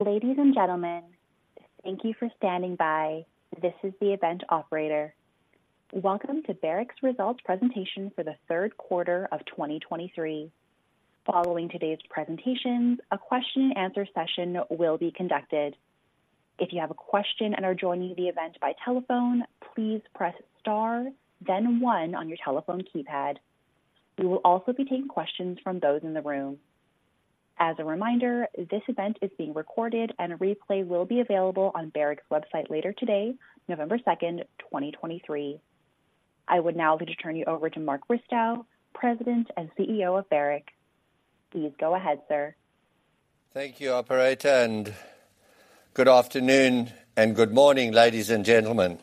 Ladies and gentlemen, thank you for standing by. This is the event operator. Welcome to Barrick's results presentation for the third quarter of 2023. Following today's presentations, a question-and-answer session will be conducted. If you have a question and are joining the event by telephone, please press star, then one on your telephone keypad. We will also be taking questions from those in the room. As a reminder, this event is being recorded and a replay will be available on Barrick's website later today, November 2nd, 2023. I would now like to turn you over to Mark Bristow, President and CEO of Barrick. Please go ahead, sir. Thank you, operator, and good afternoon and good morning, ladies and gentlemen.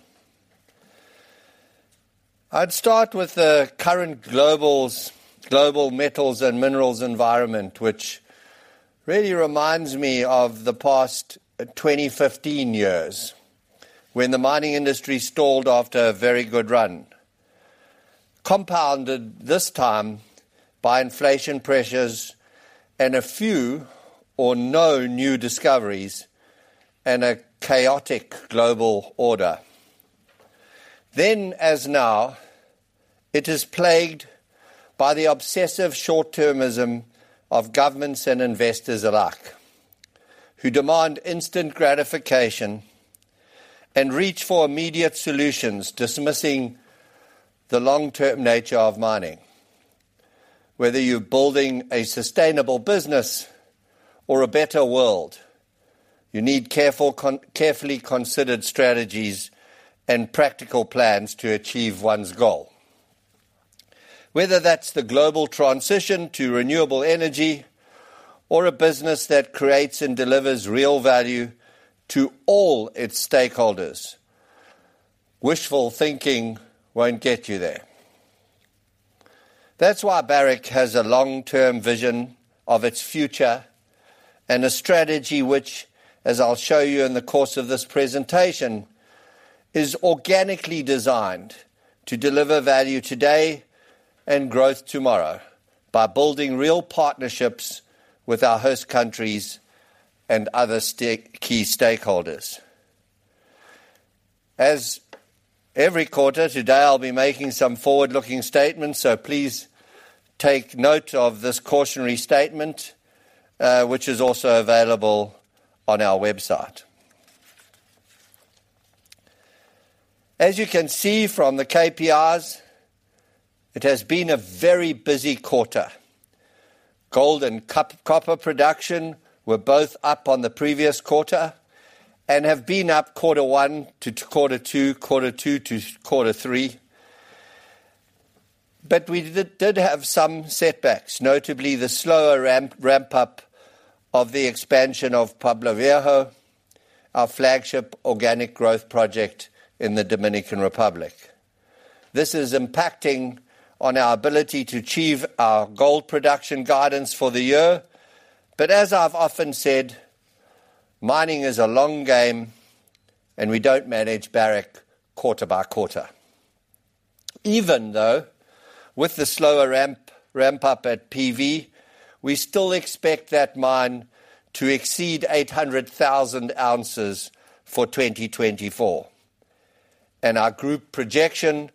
I'd start with the current global metals and minerals environment, which really reminds me of the past 20, 15 years, when the mining industry stalled after a very good run, compounded this time by inflation pressures and a few or no new discoveries and a chaotic global order. Then, as now, it is plagued by the obsessive short-termism of governments and investors alike, who demand instant gratification and reach for immediate solutions, dismissing the long-term nature of mining. Whether you're building a sustainable business or a better world, you need carefully considered strategies and practical plans to achieve one's goal. Whether that's the global transition to renewable energy or a business that creates and delivers real value to all its stakeholders, wishful thinking won't get you there. That's why Barrick has a long-term vision of its future and a strategy which, as I'll show you in the course of this presentation, is organically designed to deliver value today and growth tomorrow by building real partnerships with our host countries and other key stakeholders. As every quarter, today I'll be making some forward-looking statements, so please take note of this cautionary statement, which is also available on our website. As you can see from the KPIs, it has been a very busy quarter. Gold and copper production were both up on the previous quarter and have been up quarter one to quarter two, quarter two to quarter three. But we did have some setbacks, notably the slower ramp-up of the expansion of Pueblo Viejo, our flagship organic growth project in the Dominican Republic. This is impacting on our ability to achieve our gold production guidance for the year. But as I've often said, mining is a long game, and we don't manage Barrick quarter by quarter. Even though with the slower ramp, ramp-up at PV, we still expect that mine to exceed 800,000 oz for 2024, and our group projection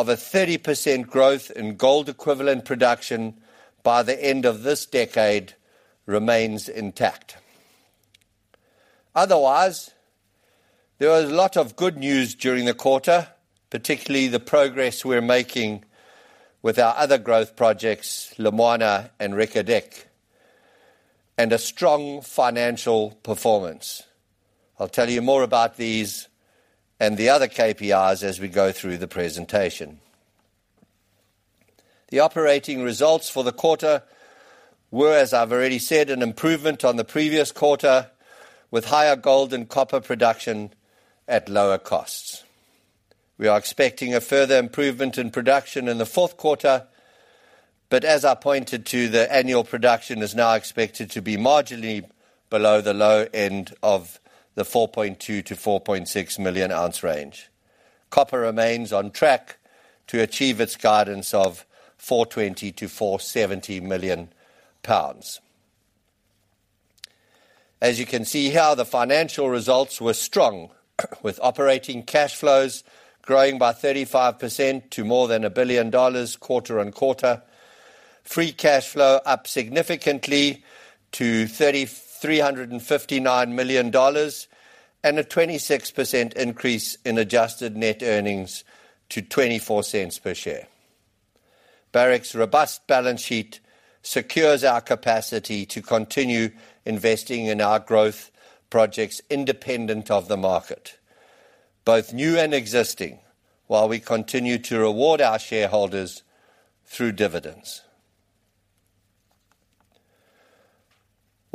of a 30% growth in gold-equivalent production by the end of this decade remains intact. Otherwise, there was a lot of good news during the quarter, particularly the progress we're making with our other growth projects, Lumwana and Reko Diq, and a strong financial performance. I'll tell you more about these and the other KPIs as we go through the presentation. The operating results for the quarter were, as I've already said, an improvement on the previous quarter, with higher gold and copper production at lower costs. We are expecting a further improvement in production in the Q4, but as I pointed to, the annual production is now expected to be marginally below the low end of the 4.2 million oz-4.6 million oz range. Copper remains on track to achieve its guidance of 420 million lbs-470 million lbs. As you can see here, the financial results were strong, with operating cash flows growing by 35% to more than $1 billion quarter-on-quarter. Free cash flow up significantly to $3,359 million and a 26% increase in adjusted net earnings to $0.24 per share. Barrick's robust balance sheet secures our capacity to continue investing in our growth projects independent of the market, both new and existing, while we continue to reward our shareholders through dividends.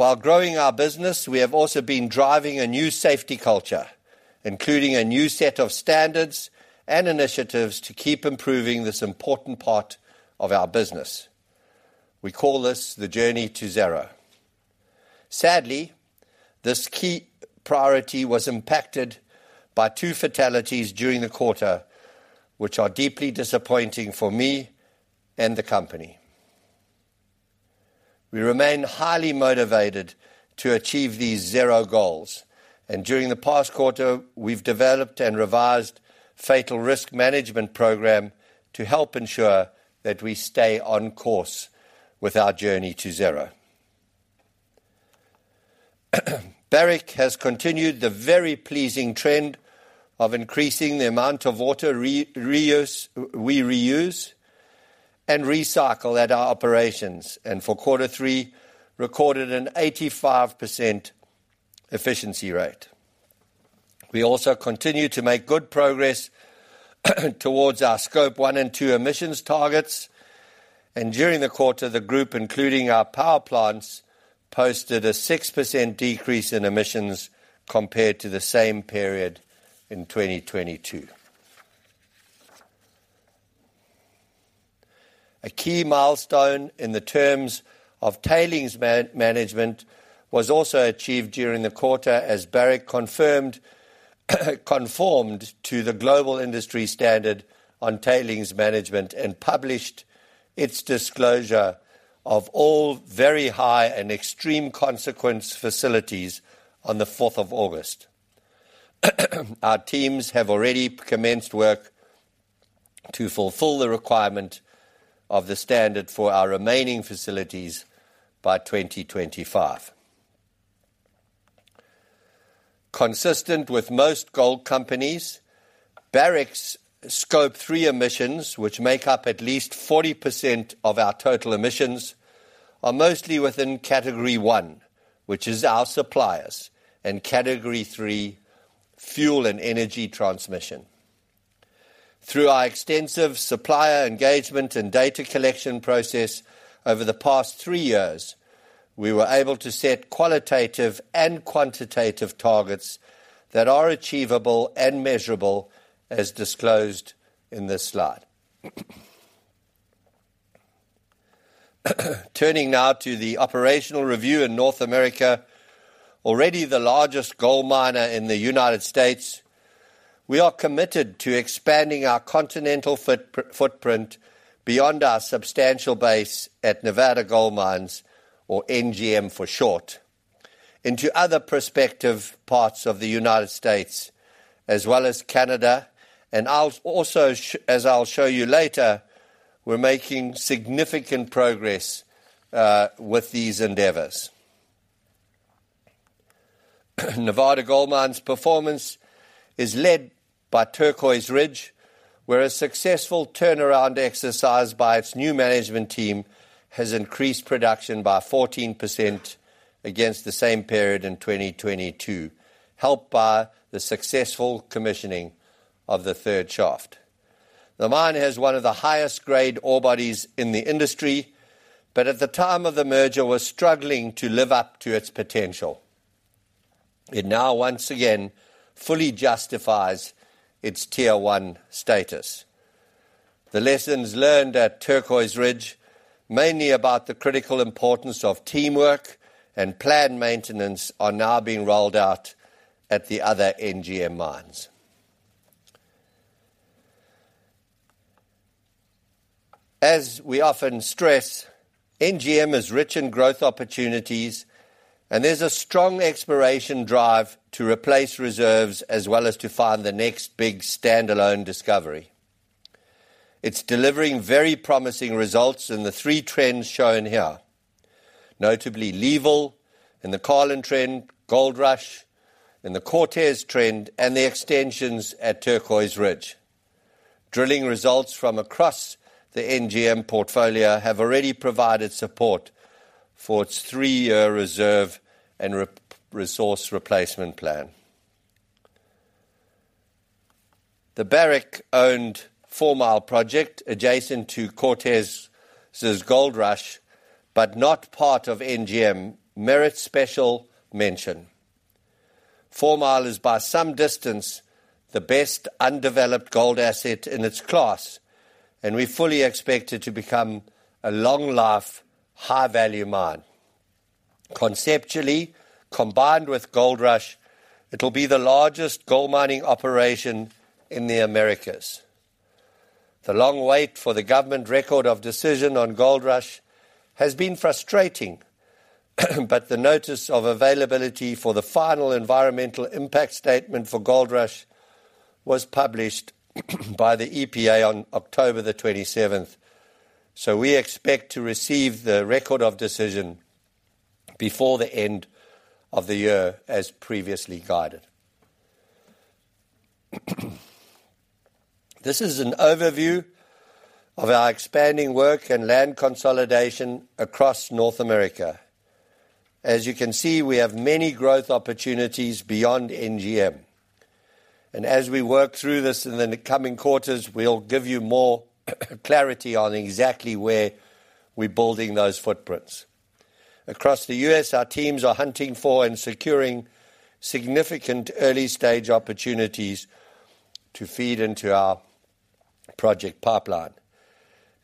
While growing our business, we have also been driving a new safety culture, including a new set of standards and initiatives to keep improving this important part of our business. We call this the Journey to Zero. Sadly, this key priority was impacted by two fatalities during the quarter, which are deeply disappointing for me and the company. We remain highly motivated to achieve these zero goals, and during the past quarter, we've developed and revised Fatal Risk Management program to help ensure that we stay on course with our Journey to Zero. Barrick has continued the very pleasing trend of increasing the amount of water reuse, we reuse and recycle at our operations, and for quarter three, recorded an 85% efficiency rate. We also continue to make good progress towards our Scope 1 and 2 emissions targets. During the quarter, the group, including our power plants, posted a 6% decrease in emissions compared to the same period in 2022. A key milestone in terms of tailings management was also achieved during the quarter, as Barrick conformed to the Global Industry Standard on Tailings Management and published its disclosure of all very high and extreme consequence facilities on the 4th of August. Our teams have already commenced work to fulfill the requirements of the standard for our remaining facilities by 2025. Consistent with most gold companies, Barrick's Scope 3 emissions, which make up at least 40% of our total emissions, are mostly within Category 1, which is our suppliers, and Category 3, fuel and energy transmission. Through our extensive supplier engagement and data collection process over the past three years, we were able to set qualitative and quantitative targets that are achievable and measurable, as disclosed in this slide. Turning now to the operational review in North America. Already the largest gold miner in the United States, we are committed to expanding our continental footprint beyond our substantial base at Nevada Gold Mines, or NGM for short, into other prospective parts of the United States, as well as Canada. As I'll show you later, we're making significant progress with these endeavors. Nevada Gold Mines' performance is led by Turquoise Ridge, where a successful turnaround exercise by its new management team has increased production by 14% against the same period in 2022, helped by the successful commissioning of the third shaft. The mine has one of the highest-grade ore bodies in the industry, but at the time of the merger, was struggling to live up to its potential. It now once again fully justifies its Tier One status. The lessons learned at Turquoise Ridge, mainly about the critical importance of teamwork and planned maintenance, are now being rolled out at the other NGM mines. As we often stress, NGM is rich in growth opportunities, and there's a strong exploration drive to replace reserves as well as to find the next big standalone discovery. It's delivering very promising results in the three trends shown here, notably Leeville in the Carlin Trend, Goldrush in the Cortez Trend, and the extensions at Turquoise Ridge. Drilling results from across the NGM portfolio have already provided support for its three-year reserve and resource replacement plan. The Barrick-owned Fourmile project, adjacent to Cortez's Goldrush, but not part of NGM, merits special mention. Fourmile is, by some distance, the best undeveloped gold asset in its class, and we fully expect it to become a long-life, high value mine. Conceptually, combined with Goldrush, it'll be the largest gold mining operation in the Americas. The long wait for the government Record of Decision on Goldrush has been frustrating, but the Notice of Availability for the Final Environmental Impact Statement for Goldrush was published by the EPA on October the 27th. So we expect to receive the Record of Decision before the end of the year, as previously guided. This is an overview of our expanding work and land consolidation across North America. As you can see, we have many growth opportunities beyond NGM, and as we work through this in the coming quarters, we'll give you more clarity on exactly where we're building those footprints. Across the U.S., our teams are hunting for and securing significant early-stage opportunities to feed into our project pipeline.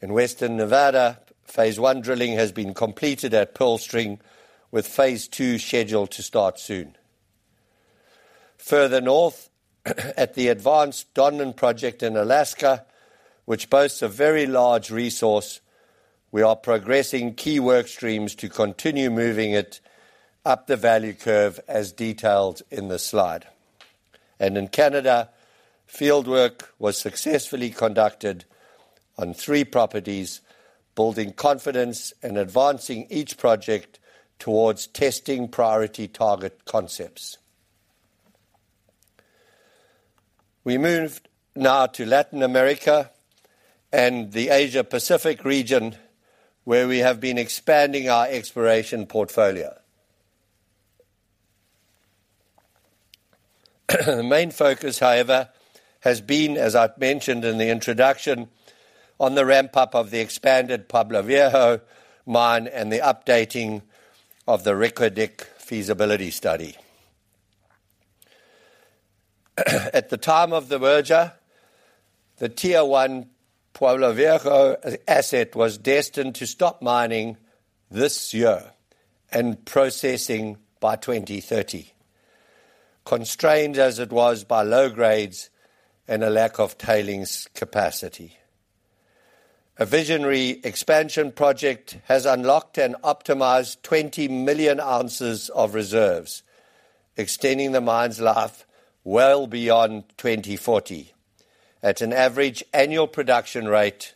In western Nevada, phase one drilling has been completed at Pearl String, with phase two scheduled to start soon. Further north, at the advanced Donlin Project in Alaska, which boasts a very large resource, we are progressing key work streams to continue moving it up the value curve as detailed in the slide. And in Canada, field work was successfully conducted on three properties, building confidence and advancing each project towards testing priority target concepts. We move now to Latin America and the Asia Pacific region, where we have been expanding our exploration portfolio. The main focus, however, has been, as I've mentioned in the introduction, on the ramp-up of the expanded Pueblo Viejo mine and the updating of the Reko Diq feasibility study. At the time of the merger, the Tier One Pueblo Viejo asset was destined to stop mining this year and processing by 2030, constrained as it was by low grades and a lack of tailings capacity. A visionary expansion project has unlocked and optimized 20 million oz of reserves, extending the mine's life well beyond 2040, at an average annual production rate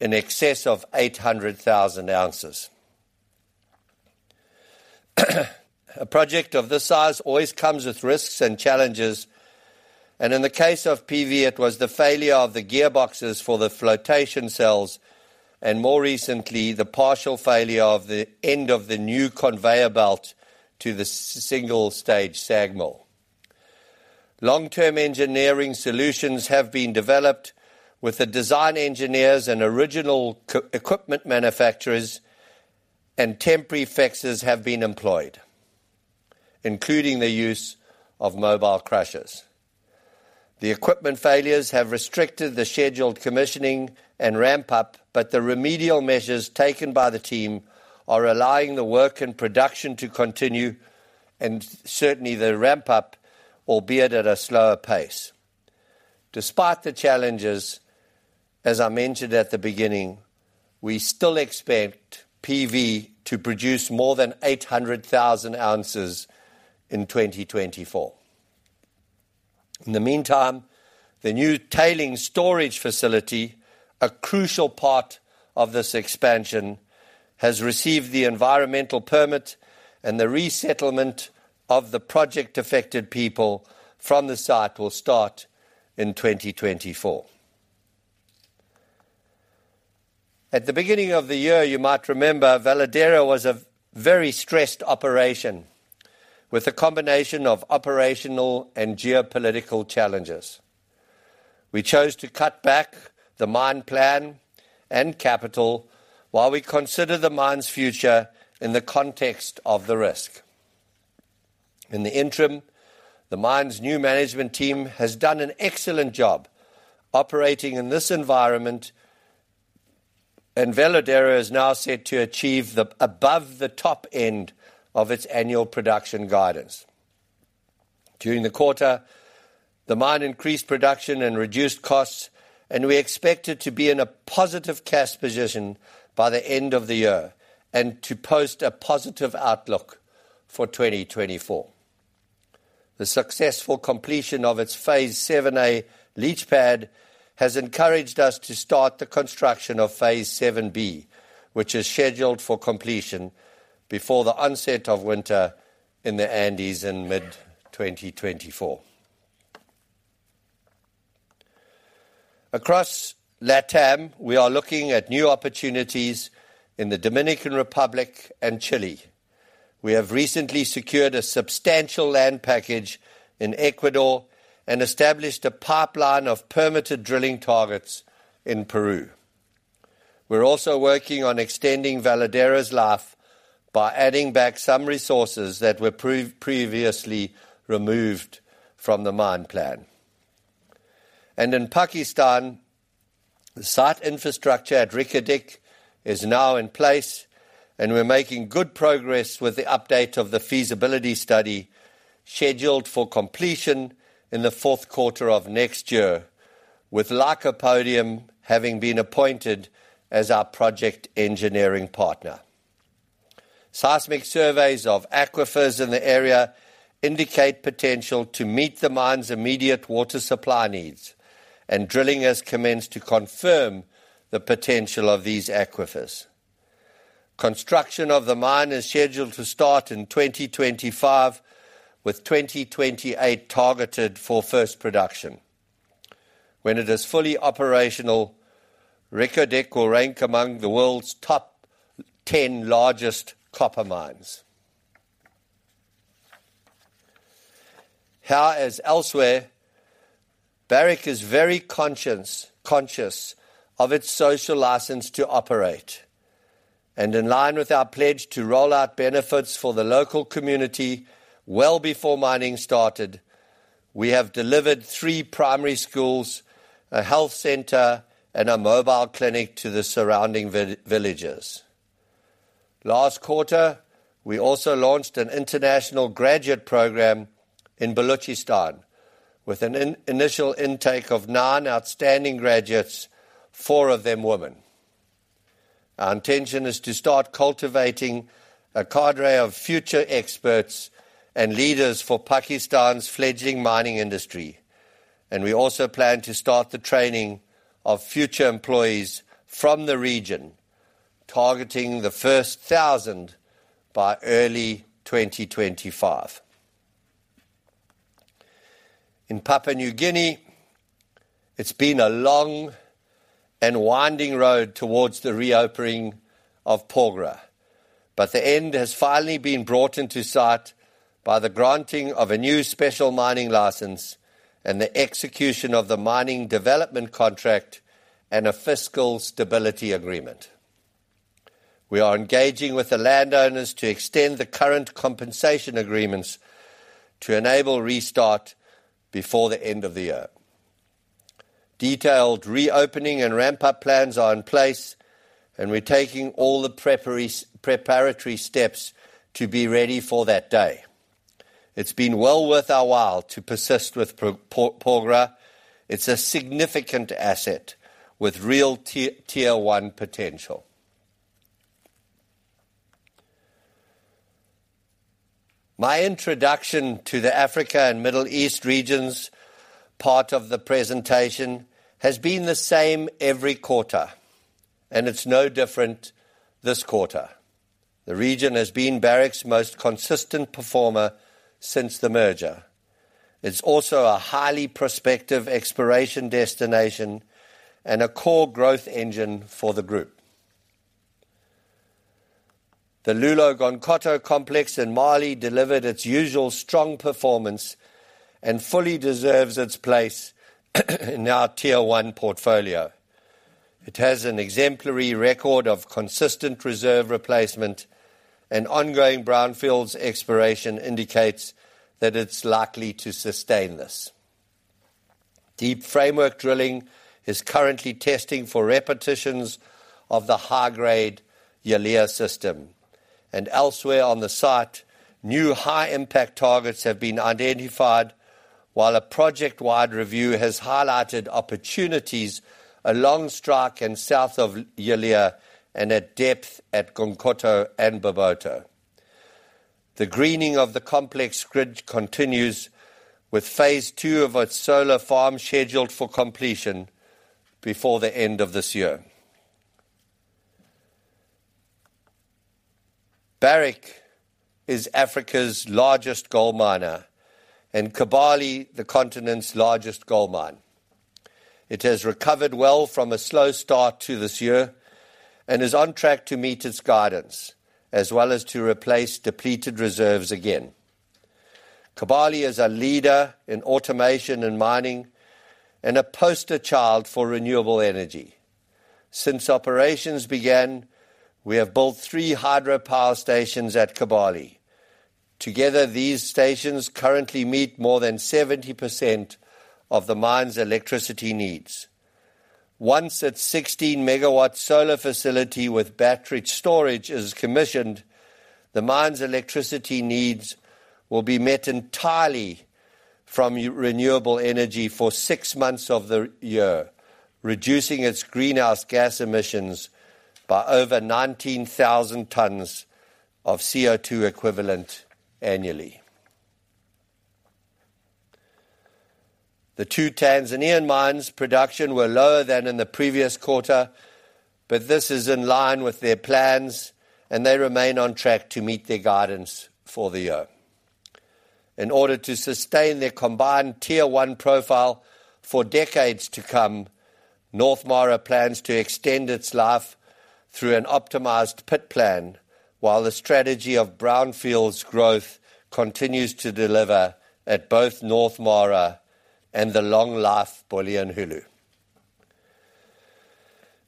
in excess of 800,000 oz. A project of this size always comes with risks and challenges, and in the case of PV, it was the failure of the gearboxes for the flotation cells and more recently, the partial failure of the end of the new conveyor belt to the single-stage SAG mill. Long-term engineering solutions have been developed with the design engineers and original equipment manufacturers, and temporary fixes have been employed, including the use of mobile crushers. The equipment failures have restricted the scheduled commissioning and ramp-up, but the remedial measures taken by the team are allowing the work and production to continue and certainly the ramp-up, albeit at a slower pace. Despite the challenges, as I mentioned at the beginning, we still expect PV to produce more than 800,000 oz in 2024. In the meantime, the new tailings storage facility, a crucial part of this expansion, has received the environmental permit and the resettlement of the project-affected people from the site will start in 2024. At the beginning of the year, you might remember, Veladero was a very stressed operation with a combination of operational and geopolitical challenges. We chose to cut back the mine plan and capital while we consider the mine's future in the context of the risk. In the interim, the mine's new management team has done an excellent job operating in this environment, and Veladero is now set to achieve the above the top end of its annual production guidance. During the quarter, the mine increased production and reduced costs, and we expect it to be in a positive cash position by the end of the year and to post a positive outlook for 2024. The successful completion of its Phase 7A leach pad has encouraged us to start the construction of Phase 7B, which is scheduled for completion before the onset of winter in the Andes in mid-2024. Across LatAm, we are looking at new opportunities in the Dominican Republic and Chile. We have recently secured a substantial land package in Ecuador and established a pipeline of permitted drilling targets in Peru. We're also working on extending Veladero's life by adding back some resources that were previously removed from the mine plan. In Pakistan, the site infrastructure at Reko Diq is now in place, and we're making good progress with the update of the feasibility study, scheduled for completion in the Q4 of next year, with Lycopodium having been appointed as our project engineering partner. Seismic surveys of aquifers in the area indicate potential to meet the mine's immediate water supply needs, and drilling has commenced to confirm the potential of these aquifers. Construction of the mine is scheduled to start in 2025, with 2028 targeted for first production. When it is fully operational, Reko Diq will rank among the world's top 10 largest copper mines. Here, as elsewhere, Barrick is very conscious of its social license to operate, and in line with our pledge to roll out benefits for the local community well before mining started, we have delivered three primary schools, a health center, and a mobile clinic to the surrounding villages. Last quarter, we also launched an international graduate program in Balochistan with an initial intake of nine outstanding graduates, four of them women. Our intention is to start cultivating a cadre of future experts and leaders for Pakistan's fledgling mining industry, and we also plan to start the training of future employees from the region, targeting the first 1,000 by early 2025. In Papua New Guinea, it's been a long and winding road towards the reopening of Porgera, but the end has finally been brought into sight by the granting of a new Special Mining License and the execution of the Mining Development Contract and a Fiscal Stability Agreement. We are engaging with the landowners to extend the current compensation agreements to enable restart before the end of the year. Detailed reopening and ramp-up plans are in place, and we're taking all the preparatory steps to be ready for that day. It's been well worth our while to persist with Porgera. It's a significant asset with real Tier One potential. My introduction to the Africa and Middle East regions, part of the presentation, has been the same every quarter, and it's no different this quarter. The region has been Barrick's most consistent performer since the merger. It's also a highly prospective exploration destination and a core growth engine for the group. The Loulo-Gounkoto complex in Mali delivered its usual strong performance and fully deserves its place in our Tier One portfolio. It has an exemplary record of consistent reserve replacement, and ongoing brownfields exploration indicates that it's likely to sustain this. Deep framework drilling is currently testing for repetitions of the high-grade Yalea system, and elsewhere on the site, new high-impact targets have been identified, while a project-wide review has highlighted opportunities along strike and south of Yalea and at depth at Gounkoto and Baboto. The greening of the complex grid continues, with phase two of its solar farm scheduled for completion before the end of this year. Barrick is Africa's largest gold miner and Kibali, the continent's largest gold mine. It has recovered well from a slow start to this year and is on track to meet its guidance, as well as to replace depleted reserves again. Kibali is a leader in automation and mining and a poster child for renewable energy. Since operations began, we have built three hydropower stations at Kibali. Together, these stations currently meet more than 70% of the mine's electricity needs. Once its 16 MW solar facility with battery storage is commissioned, the mine's electricity needs will be met entirely from renewable energy for six months of the year, reducing its greenhouse gas emissions by over 19,000 tons of CO2 equivalent annually. The two Tanzanian mines' production were lower than in the previous quarter, but this is in line with their plans, and they remain on track to meet their guidance for the year. In order to sustain their combined Tier One profile for decades to come, North Mara plans to extend its life through an optimized pit plan, while the strategy of brownfields growth continues to deliver at both North Mara and the long-life Bulyanhulu.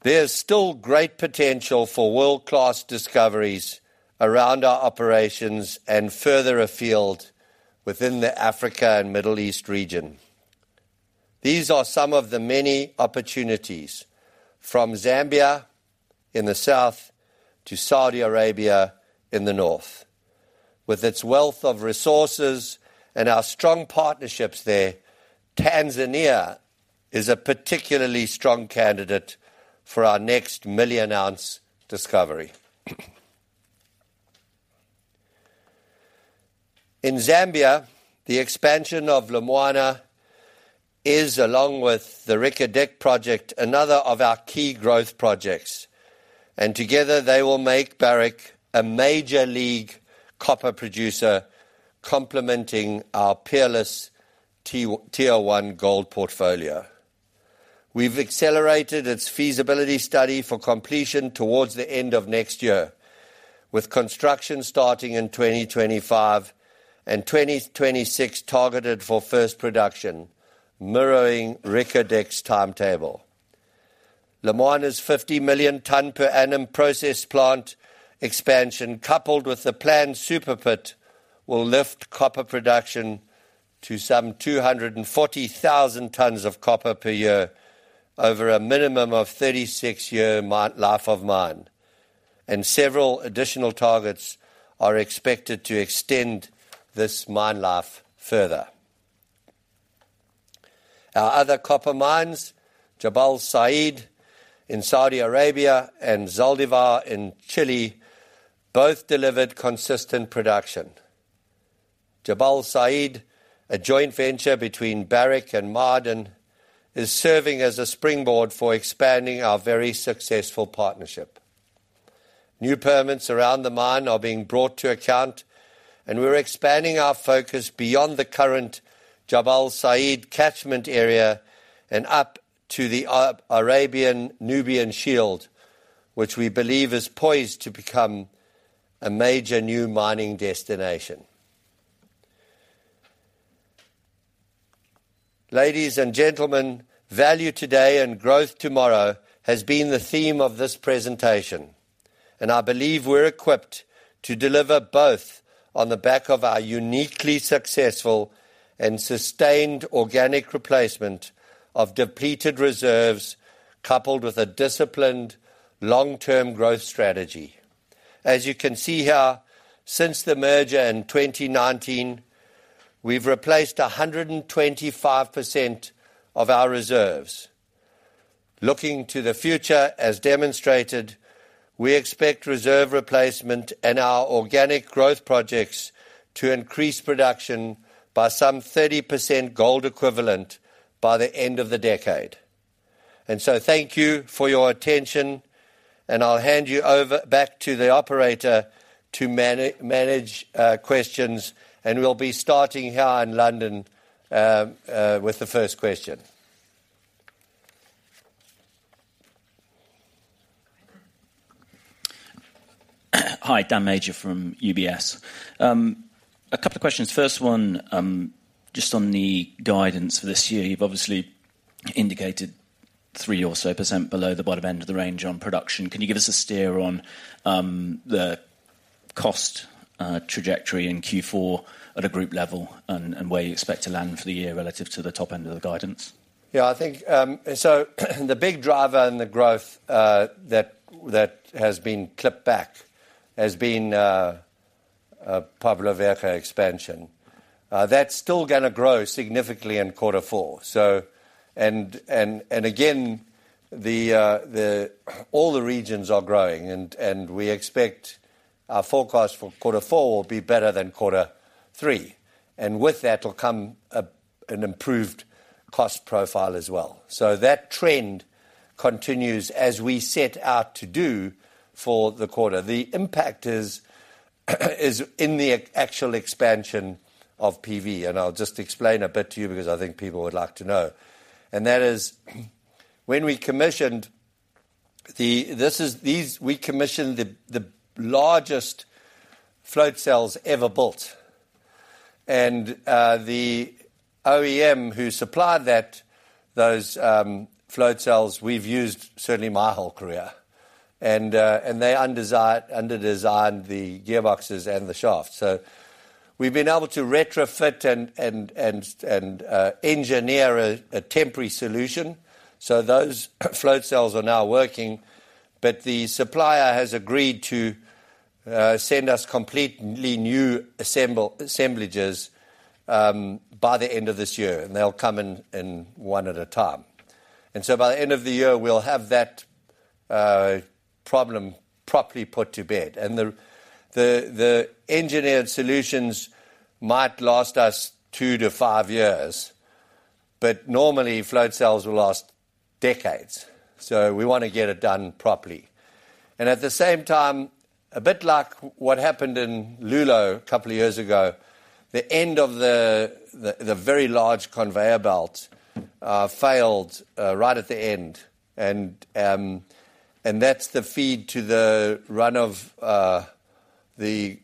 There's still great potential for world-class discoveries around our operations and further afield within the Africa and Middle East region. These are some of the many opportunities from Zambia in the south to Saudi Arabia in the north. With its wealth of resources and our strong partnerships there, Tanzania is a particularly strong candidate for our next million ounce discovery. In Zambia, the expansion of Lumwana is, along with the Reko Diq project, another of our key growth projects, and together they will make Barrick a major league copper producer, complementing our peerless Tier One gold portfolio. We've accelerated its feasibility study for completion towards the end of next year, with construction starting in 2025 and 2026 targeted for first production, mirroring Reko Diq's timetable. Lumwana's 50 million tons per annum process plant expansion, coupled with the planned Super Pit, will lift copper production to some 240,000 tons of copper per year over a minimum of 36-year life of mine, and several additional targets are expected to extend this mine life further. Our other copper mines, Jabal Sayid in Saudi Arabia and Zaldívar in Chile, both delivered consistent production. Jabal Sayid, a joint venture between Barrick and Ma'aden, is serving as a springboard for expanding our very successful partnership. New permits around the mine are being brought to account, and we're expanding our focus beyond the current Jabal Sayid catchment area and up to the Arabian-Nubian Shield, which we believe is poised to become a major new mining destination. Ladies and gentlemen, value today and growth tomorrow has been the theme of this presentation, and I believe we're equipped to deliver both on the back of our uniquely successful and sustained organic replacement of depleted reserves, coupled with a disciplined long-term growth strategy. As you can see here, since the merger in 2019, we've replaced 125% of our reserves. Looking to the future, as demonstrated, we expect reserve replacement and our organic growth projects to increase production by some 30% gold equivalent by the end of the decade. And so thank you for your attention, and I'll hand you back to the operator to manage questions, and we'll be starting here in London with the first question. Hi, Dan Major from UBS. A couple of questions. First one, just on the guidance for this year. You've obviously indicated 3% or so below the bottom end of the range on production. Can you give us a steer on, the cost, trajectory in Q4 at a group level and, and where you expect to land for the year relative to the top end of the guidance? Yeah, I think, so the big driver in the growth that has been clipped back has been Pueblo Viejo expansion. That's still gonna grow significantly in quarter four. And again, all the regions are growing and we expect our forecast for quarter four will be better than quarter three, and with that will come an improved cost profile as well. So that trend continues as we set out to do for the quarter. The impact is in the actual expansion of PV, and I'll just explain a bit to you because I think people would like to know. And that is, when we commissioned the largest float cells ever built, and the OEM who supplied those float cells, we've used certainly my whole career. They underdesigned the gearboxes and the shaft. So we've been able to retrofit and engineer a temporary solution, so those float cells are now working. But the supplier has agreed to send us completely new assemblages by the end of this year, and they'll come in one at a time. And so by the end of the year, we'll have that problem properly put to bed. And the engineered solutions might last us two to five years, but normally, float cells will last decades, so we want to get it done properly. And at the same time, a bit like what happened in Loulo a couple of years ago, the end of the very large conveyor belt failed right at the end, and that's the feed to the run of the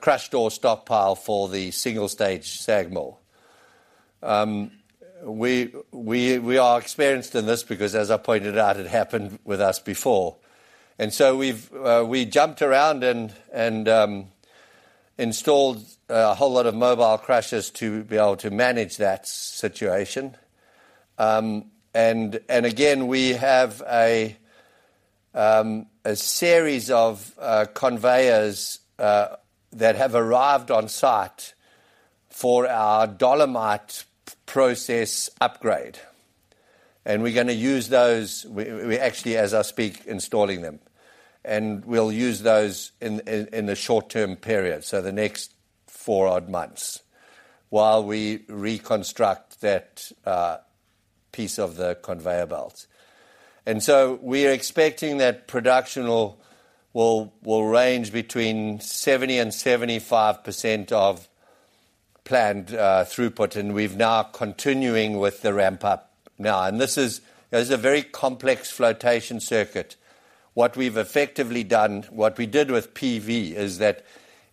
crushed ore stockpile for the single-stage SAG mill. We are experienced in this because, as I pointed out, it happened with us before. And so we've jumped around and installed a whole lot of mobile crushers to be able to manage that situation. And again, we have a series of conveyors that have arrived on site for our dolomite process upgrade, and we're gonna use those. We actually, as I speak, installing them, and we'll use those in the short-term period, so the next four odd months, while we reconstruct that piece of the conveyor belt. And so we are expecting that production will range between 70%-75% of planned throughput, and we've now continuing with the ramp up now. And this is a very complex flotation circuit. What we've effectively done, what we did with PV is that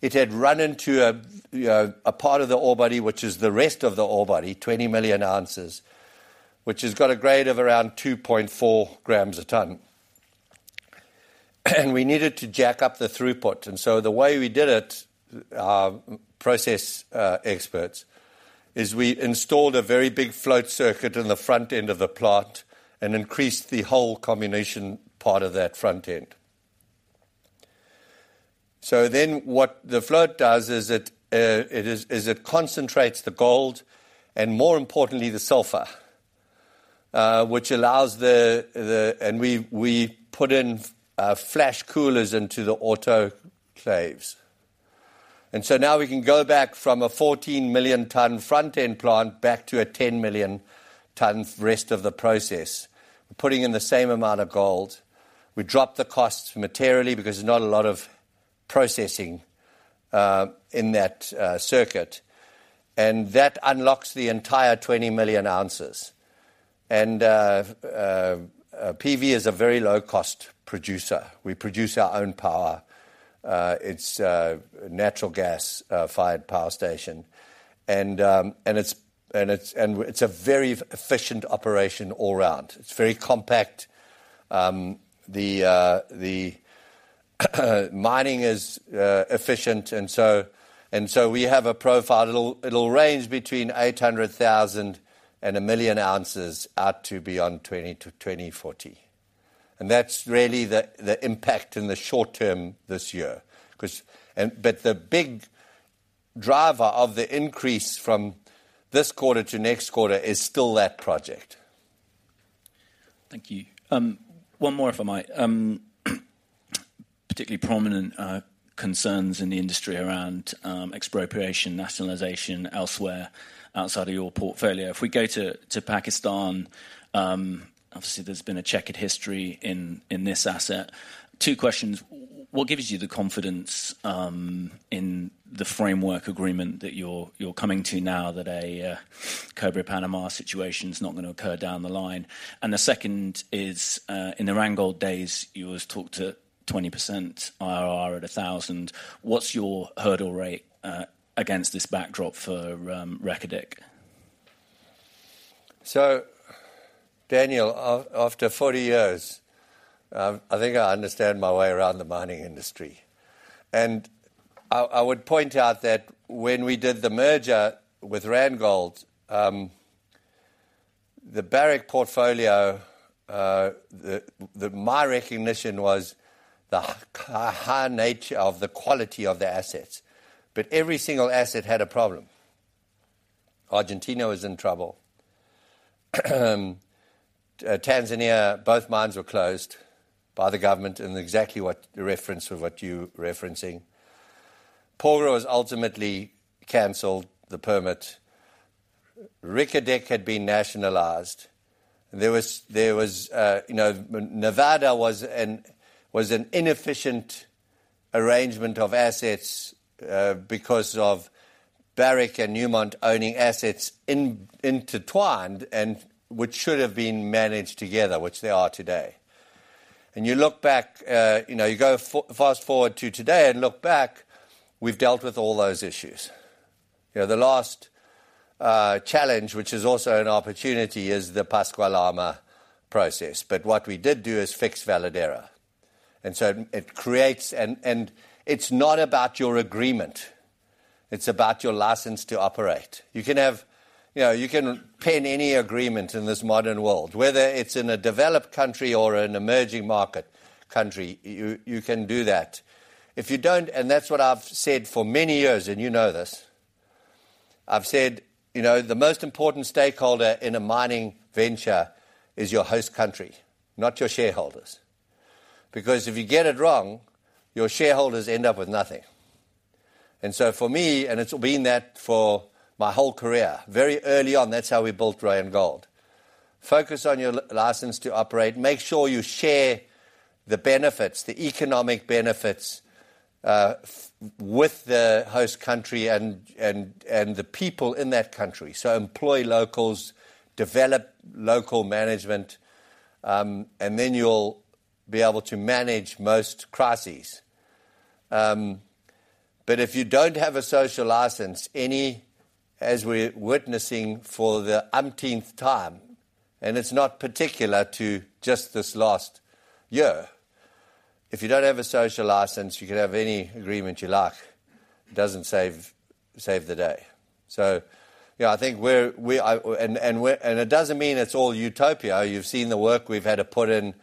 it had run into a, you know, a part of the ore body, which is the rest of the ore body, 20 million oz, which has got a grade of around 2.4 g a ton and we needed to jack up the throughput. The way we did it, process experts, is we installed a very big float circuit in the front end of the plant and increased the whole combination part of that front end. So then what the float does is it concentrates the gold and more importantly, the sulfur, which allows, and we put in flash coolers into the autoclaves. And so now we can go back from a 14 million-ton front-end plant back to a 10 million-ton rest of the process, putting in the same amount of gold. We dropped the cost materially because there's not a lot of processing in that circuit, and that unlocks the entire 20 million oz. PV is a very low-cost producer. We produce our own power. It's a natural gas fired power station, and it's a very efficient operation all around. It's very compact. The mining is efficient, and so we have a profile. It'll range between 800,000 oz and 1 million oz out to beyond 2020 to 2040. And that's really the impact in the short term this year, 'cause... But the big driver of the increase from this quarter to next quarter is still that project. Thank you. One more, if I might. Particularly prominent concerns in the industry around expropriation, nationalization elsewhere outside of your portfolio. If we go to Pakistan, obviously there's been a checkered history in this asset. Two questions: What gives you the confidence in the framework agreement that you're coming to now that a Cobre Panama situation is not gonna occur down the line? And the second is, in the Randgold days, you always talked to 20% IRR at $1,000. What's your hurdle rate against this backdrop for Reko Diq? So, Daniel, after 40 years, I think I understand my way around the mining industry. And I would point out that when we did the merger with Randgold, the Barrick portfolio, my recognition was the high nature of the quality of the assets, but every single asset had a problem. Argentina was in trouble. Tanzania, both mines were closed by the government in exactly what the reference of what you're referencing. Porgera was ultimately canceled, the permit. Reko Diq had been nationalized. There was, you know, Nevada was an inefficient arrangement of assets, because of Barrick and Newmont owning assets intertwined and which should have been managed together, which they are today. And you look back, you know, you go fast-forward to today and look back, we've dealt with all those issues. You know, the last challenge, which is also an opportunity, is the Pascua-Lama process. But what we did do is fix Veladero, and so it creates... And it's not about your agreement, it's about your license to operate. You can have, you know, you can pen any agreement in this modern world, whether it's in a developed country or an emerging market country, you can do that. If you don't, and that's what I've said for many years, and you know this. I've said, "You know, the most important stakeholder in a mining venture is your host country, not your shareholders, because if you get it wrong, your shareholders end up with nothing." And so for me, and it's been that for my whole career, very early on, that's how we built Randgold. Focus on your license to operate, make sure you share the benefits, the economic benefits, with the host country and the people in that country. So employ locals, develop local management, and then you'll be able to manage most crises. But if you don't have a social license, as we're witnessing for the umpteenth time, and it's not particular to just this last year, if you don't have a social license, you can have any agreement you like. It doesn't save the day. So yeah, I think we are and it doesn't mean it's all utopia. You've seen the work we've had to put in,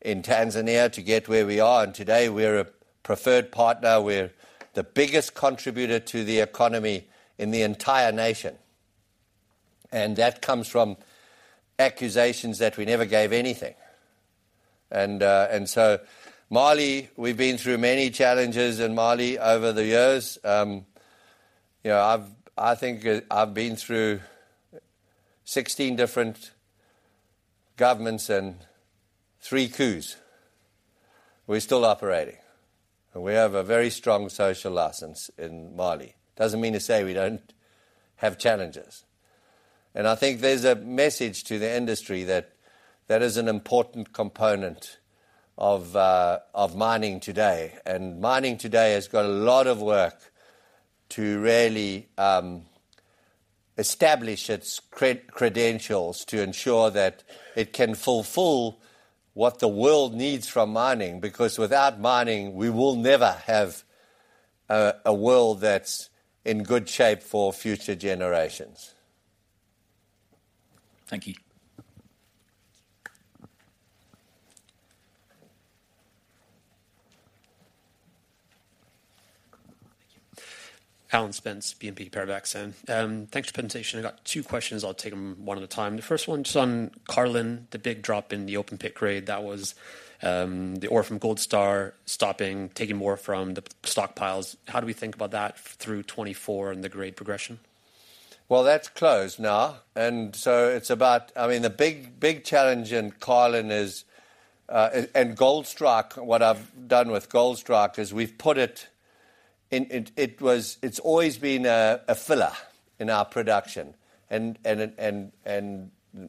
in Tanzania to get where we are, and today we're a preferred partner. We're the biggest contributor to the economy in the entire nation, and that comes from accusations that we never gave anything. And, and so Mali, we've been through many challenges in Mali over the years. You know, I think I've been through 16 different governments and three coups. We're still operating, and we have a very strong social license in Mali. Doesn't mean to say we don't have challenges. And I think there's a message to the industry that that is an important component of of mining today. And mining today has got a lot of work to really...establish its credentials to ensure that it can fulfill what the world needs from mining, because without mining, we will never have a world that's in good shape for future generations. Thank you. Alan Spence, BNP Paribas. Thanks for the presentation. I got two questions. I'll take them one at a time. The first one's on Carlin, the big drop in the open pit grade. That was, the ore from Goldstrike stopping, taking more from the stockpiles. How do we think about that through 2024 and the grade progression? Well, that's closed now, and so it's about—I mean, the big, big challenge in Carlin is, and Goldstrike, what I've done with Goldstrike is we've put it in. It's always been a filler in our production, and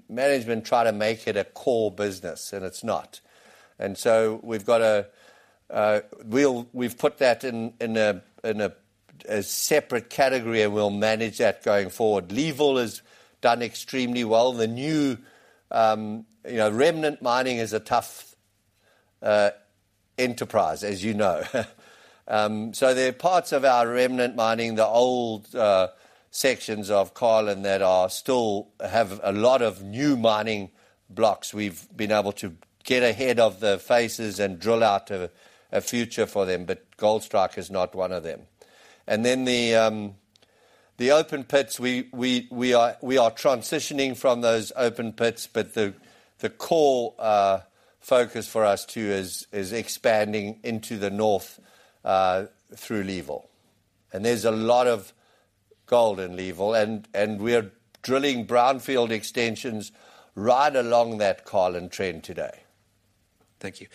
management tried to make it a core business, and it's not. And so we've got to, we've put that in a separate category, and we'll manage that going forward. Leeville has done extremely well. The new, you know, remnant mining is a tough enterprise, as you know. So there are parts of our remnant mining, the old sections of Carlin that still have a lot of new mining blocks. We've been able to get ahead of the phases and drill out a future for them, but Goldstrike is not one of them. And then the open pits, we are transitioning from those open pits, but the core focus for us is expanding into the north through Leeville. And there's a lot of gold in Leeville, and we are drilling brownfield extensions right along that Carlin trend today. Thank you.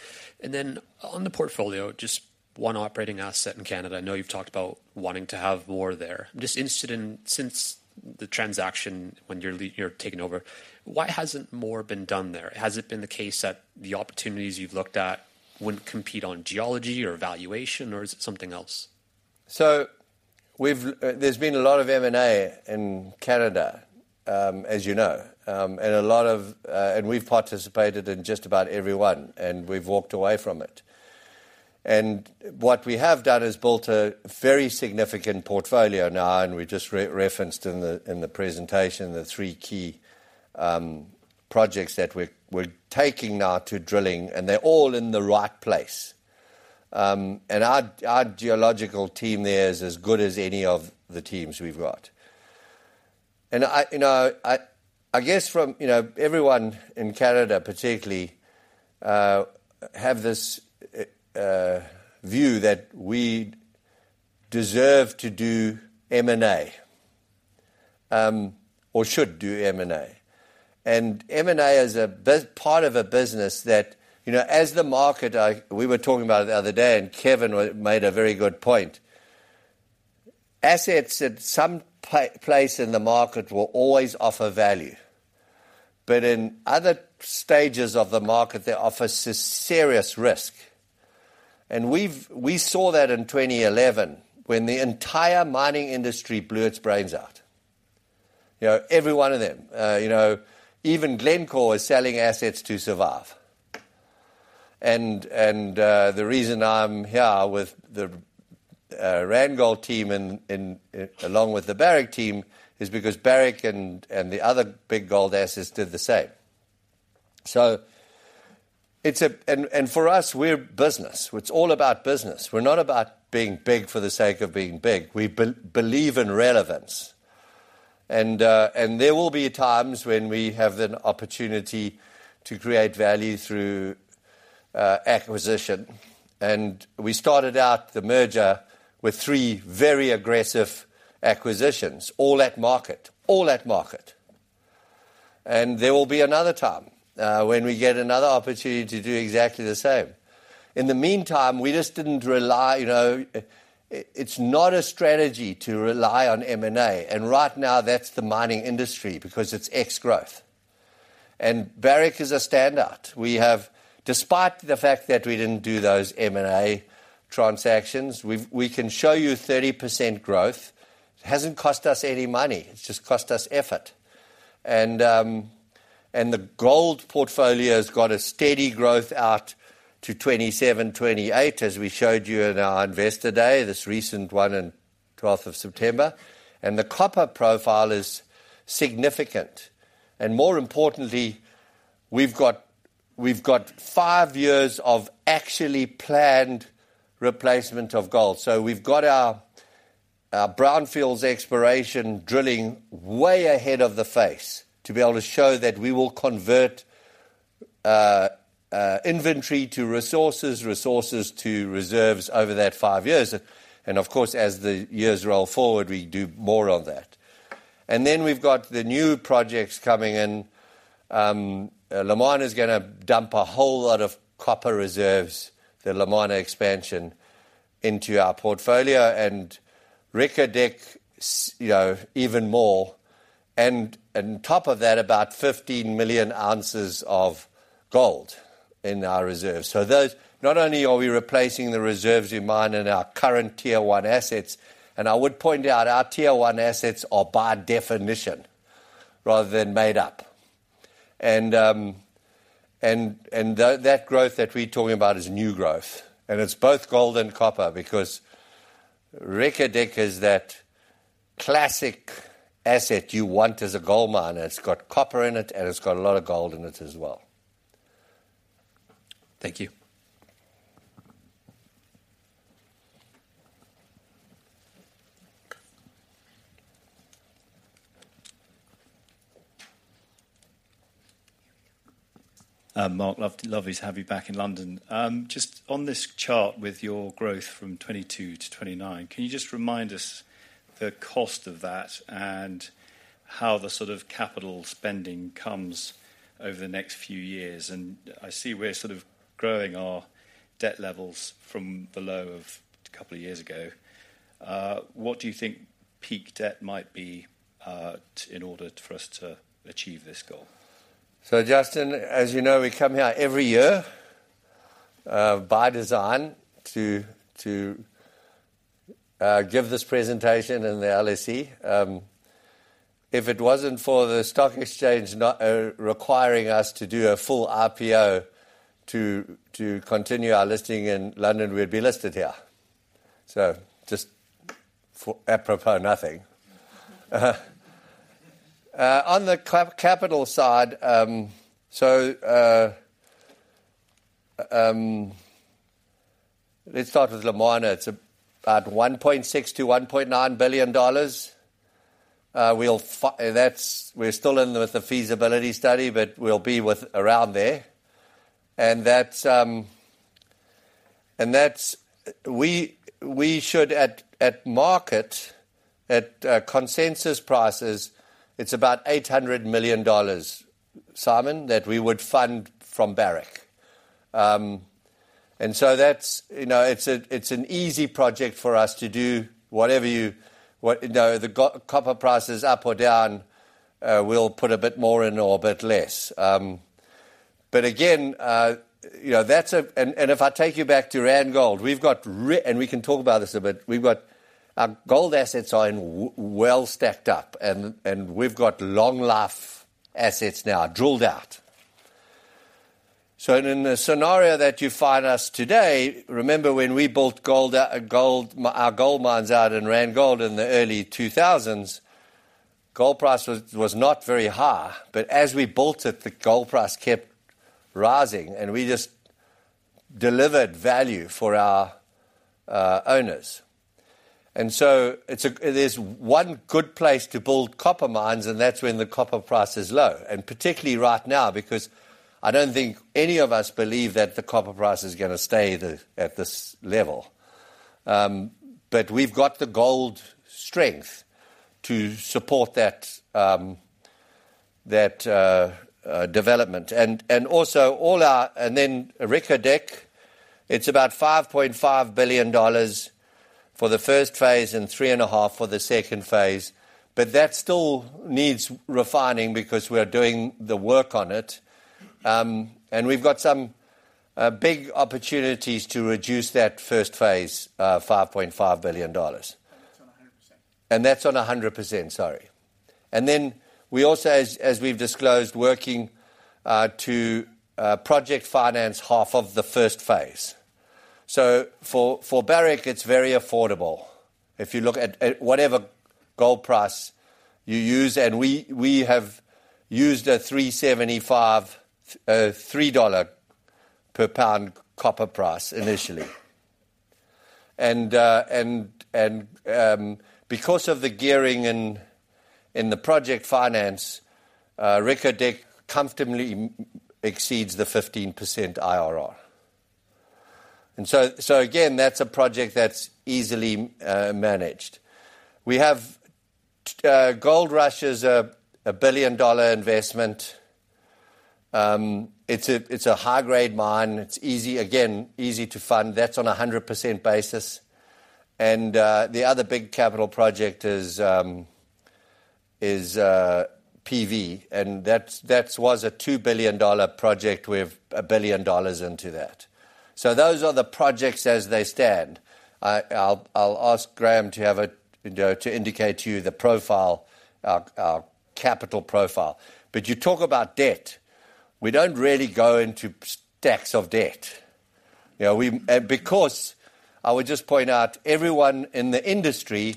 On the portfolio, just one operating asset in Canada. I know you've talked about wanting to have more there. I'm just interested in, since the transaction when you're taking over, why hasn't more been done there? Has it been the case that the opportunities you've looked at wouldn't compete on geology or valuation, or is it something else? So we've, there's been a lot of M&A in Canada, as you know. And we've participated in just about every one, and we've walked away from it. And what we have done is built a very significant portfolio now, and we just referenced in the, in the presentation, the three key projects that we're taking now to drilling, and they're all in the right place. And our geological team there is as good as any of the teams we've got. And I, you know, I guess from, you know, everyone in Canada particularly, have this view that we deserve to do M&A, or should do M&A. And M&A is a part of a business that, you know, as the market. We were talking about it the other day, and Kevin made a very good point. Assets at some place in the market will always offer value, but in other stages of the market, they offer serious risk. And we saw that in 2011, when the entire mining industry blew its brains out. You know, every one of them. You know, even Glencore was selling assets to survive. And the reason I'm here with the Randgold team and along with the Barrick team is because Barrick and the other big gold assets did the same. So it's a business. For us, we're business. It's all about business. We're not about being big for the sake of being big. We believe in relevance. There will be times when we have an opportunity to create value through acquisition. We started out the merger with three very aggressive acquisitions, all at market. All at market. There will be another time when we get another opportunity to do exactly the same. In the meantime, we just didn't rely, you know, it's not a strategy to rely on M&A, and right now that's the mining industry because it's ex-growth. Barrick is a standout. We have. Despite the fact that we didn't do those M&A transactions, we can show you 30% growth. It hasn't cost us any money. It's just cost us effort. The gold portfolio has got a steady growth out to 2027, 2028, as we showed you in our Investor Day, this recent one in 12th of September. The copper profile is significant. And more importantly, we've got, we've got five years of actually planned replacement of gold. So we've got our, our brownfields exploration drilling way ahead of the phase to be able to show that we will convert inventory to resources, resources to reserves over that five years. And, of course, as the years roll forward, we do more of that. And then we've got the new projects coming in. Lumwana is gonna dump a whole lot of copper reserves, the Lumwana expansion, into our portfolio, and Reko Diq, you know, even more, and on top of that, about 15 million oz of gold in our reserves. So those, not only are we replacing the reserves we mine in our current Tier One assets, and I would point out our Tier One assets are by definition, rather than made up. That growth that we're talking about is new growth, and it's both gold and copper, because Reko Diq is that classic asset you want as a gold miner. It's got copper in it, and it's got a lot of gold in it as well. Thank you. Mark, love, lovely to have you back in London. Just on this chart with your growth from 2022 to 2029, can you just remind us the cost of that and how the sort of capital spending comes over the next few years? And I see we're sort of growing our debt levels from the low of a couple of years ago. What do you think peak debt might be, in order for us to achieve this goal? So, Justin, as you know, we come here every year, by design, to give this presentation in the LSE. If it wasn't for the stock exchange not requiring us to do a full IPO to continue our listing in London, we'd be listed here. So just for apropos nothing. On the capital side, so, let's start with Lumwana. It's about $1.6 billion-$1.9 billion. We'll. That's, we're still in the feasibility study, but we'll be with around there. And that's, and that's. We, we should at, at market, at, consensus prices, it's about $800 million, sum, that we would fund from Barrick. And so that's, you know, it's a, it's an easy project for us to do whatever you, what-- you know, the go- copper price is up or down, we'll put a bit more in or a bit less. But again, you know, that's a... And, and if I take you back to Randgold, we've got-- and we can talk about this a bit. We've got, our gold assets are in well stacked up, and, and we've got long-life assets now drilled out. So in the scenario that you find us today, remember when we built gold out, gold, my, our gold mines out in Randgold in the early 2000s, gold price was, was not very high. But as we built it, the gold price kept rising, and we just delivered value for our, owners. And so there's one good place to build copper mines, and that's when the copper price is low, and particularly right now, because I don't think any of us believe that the copper price is gonna stay at this level. But we've got the gold strength to support that development. And then Reko Diq, it's about $5.5 billion for the first phase and $3.5 billion for the second phase, but that still needs refining because we are doing the work on it. And we've got some big opportunities to reduce that first phase $5.5 billion. That's on a 100%. That's on a 100%, sorry. Then we also, as we've disclosed, working to project finance half of the first phase. So for Barrick, it's very affordable. If you look at whatever gold price you use, and we have used a $375, $3 per pound copper price initially. And because of the gearing in the project finance, Reko Diq comfortably exceeds the 15% IRR. And so again, that's a project that's easily managed. We have Goldrush is a billion-dollar investment. It's a high-grade mine, it's easy, again, easy to fund. That's on a 100% basis. And the other big capital project is PV, and that's, that was a $2 billion project with $1 billion into that. So those are the projects as they stand. I'll ask Graham to have a, you know, to indicate to you the profile, our capital profile. But you talk about debt. We don't really go into stacks of debt. You know, we, and because I would just point out, everyone in the industry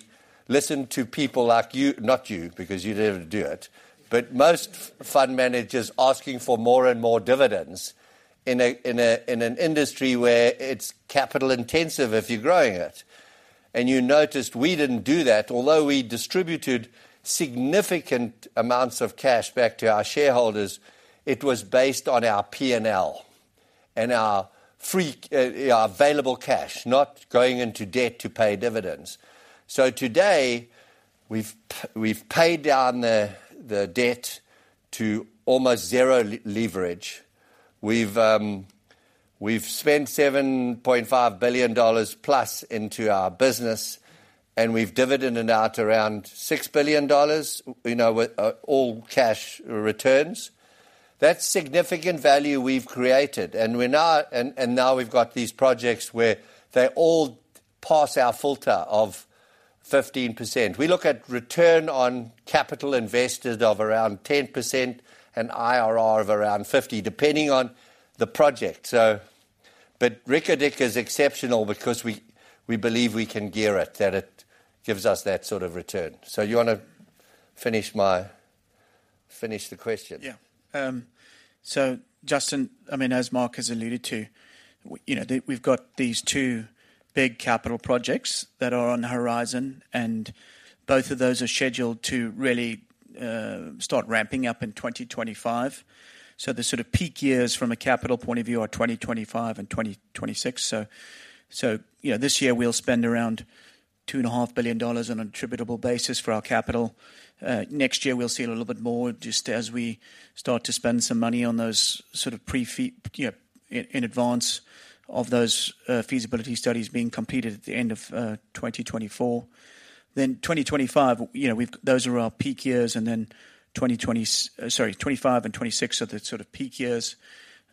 listen to people like you, not you, because you never do it, but most fund managers asking for more and more dividends in a, in a, in an industry where it's capital intensive, if you're growing it. And you noticed we didn't do that. Although we distributed significant amounts of cash back to our shareholders, it was based on our P&L and our free available cash, not going into debt to pay dividends. So today, we've paid down the debt to almost zero leverage. We've spent $7.5 billion plus into our business, and we've dividended out around $6 billion, you know, with all cash returns. That's significant value we've created, and we're now, and now we've got these projects where they all pass our filter of 15%. We look at return on capital invested of around 10% and IRR of around 50%, depending on the project. So, but Reko Diq is exceptional because we, we believe we can gear it, that it gives us that sort of return. So you wanna finish my-- finish the question? Yeah. So Justin, I mean, as Mark has alluded to, you know, we've got these two big capital projects that are on the horizon, and both of those are scheduled to really start ramping up in 2025. So the sort of peak years from a capital point of view are 2025 and 2026. So, you know, this year we'll spend around $2.5 billion on an attributable basis for our capital. Next year, we'll see a little bit more just as we start to spend some money on those sort of pre-fee, you know, in advance of those feasibility studies being completed at the end of 2024. Then 2025, you know, we've-- those are our peak years, and then 2025. Sorry, 2025 and 2026 are the sort of peak years.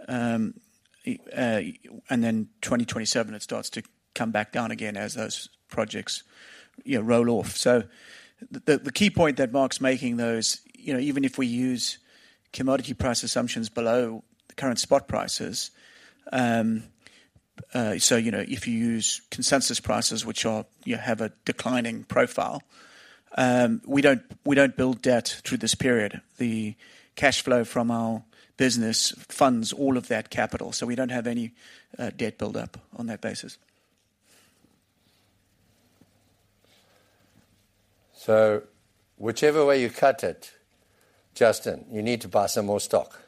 And then 2027, it starts to come back down again as those projects, you know, roll off. So the key point that Mark's making though is, you know, even if we use commodity price assumptions below the current spot prices, so, you know, if you use consensus prices, which are, you have a declining profile, we don't build debt through this period. The cash flow from our business funds all of that capital, so we don't have any debt build-up on that basis. Whichever way you cut it, Justin, you need to buy some more stock.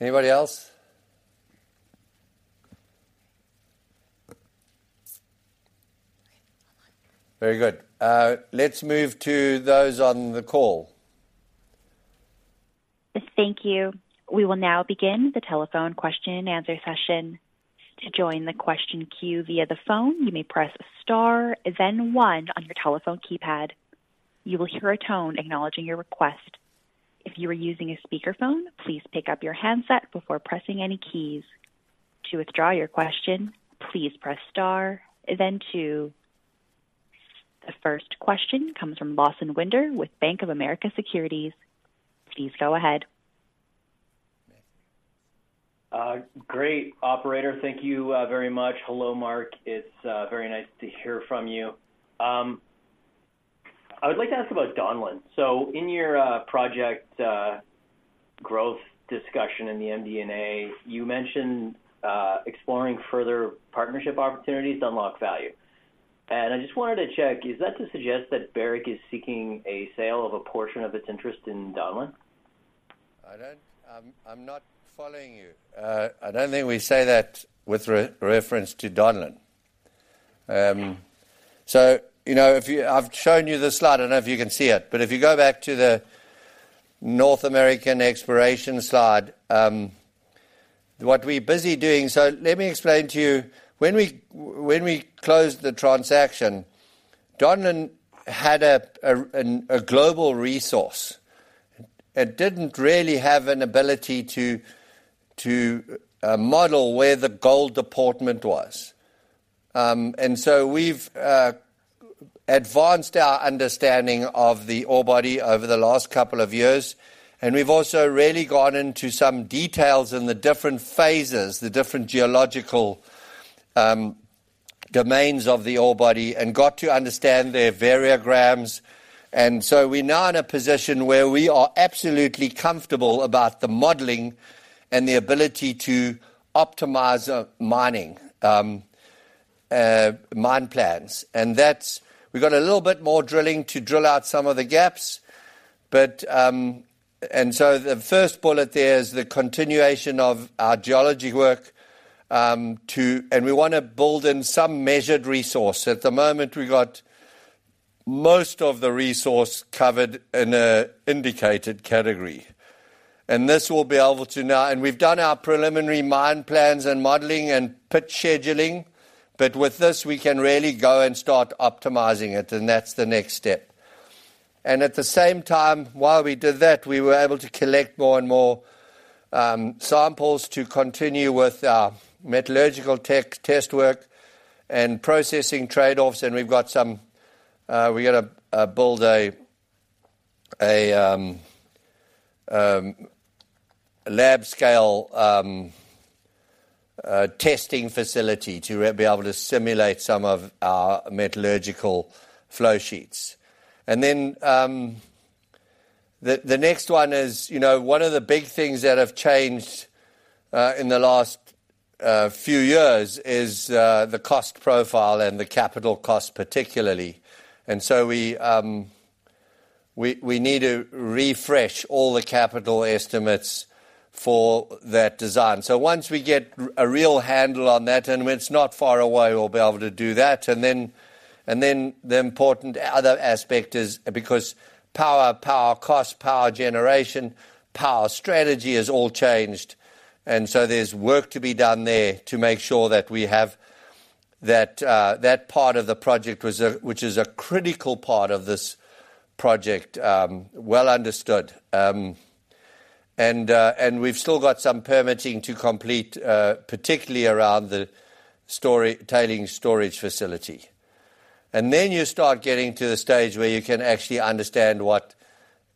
Anybody else? Very good. Let's move to those on the call. Thank you. We will now begin the telephone question and answer session. To join the question queue via the phone, you may press star then one on your telephone keypad. You will hear a tone acknowledging your request. If you are using a speakerphone, please pick up your handset before pressing any keys. To withdraw your question, please press star, then two. The first question comes from Lawson Winder with Bank of America Securities. Please go ahead. Great, operator. Thank you very much. Hello, Mark. It's very nice to hear from you. I would like to ask about Donlin. So in your project growth discussion in the MD&A, you mentioned exploring further partnership opportunities to unlock value. And I just wanted to check, is that to suggest that Barrick is seeking a sale of a portion of its interest in Donlin? I don't. I'm not following you. I don't think we say that with reference to Donlin. So, you know, if you. I've shown you the slide. I don't know if you can see it, but if you go back to the North American exploration slide, what we're busy doing. So let me explain to you, when we closed the transaction, Donlin had a global resource. It didn't really have an ability to model where the gold deposit was. And so we've advanced our understanding of the ore body over the last couple of years, and we've also really gone into some details in the different phases, the different geological domains of the ore body and got to understand their variograms. We're now in a position where we are absolutely comfortable about the modeling and the ability to optimize mining mine plans. We've got a little bit more drilling to drill out some of the gaps, but. The first bullet there is the continuation of our geology work, and we wanna build in some measured resource. At the moment, we've got most of the resource covered in an indicated category, and this will be able to. We've done our preliminary mine plans and modeling and pit scheduling, but with this, we can really go and start optimizing it, and that's the next step. And at the same time, while we did that, we were able to collect more and more samples to continue with our metallurgical tech test work and processing trade-offs, and we've got to build a lab scale testing facility to be able to simulate some of our metallurgical flowsheet. And then, the next one is, you know, one of the big things that have changed in the last few years is the cost profile and the capital cost particularly. And so we need to refresh all the capital estimates for that design. So once we get a real handle on that, and it's not far away, we'll be able to do that. And then the important other aspect is because power, power cost, power generation, power strategy has all changed, and so there's work to be done there to make sure that we have that part of the project reserve, which is a critical part of this project, well understood. And we've still got some permitting to complete, particularly around the tailings storage facility. And then you start getting to the stage where you can actually understand what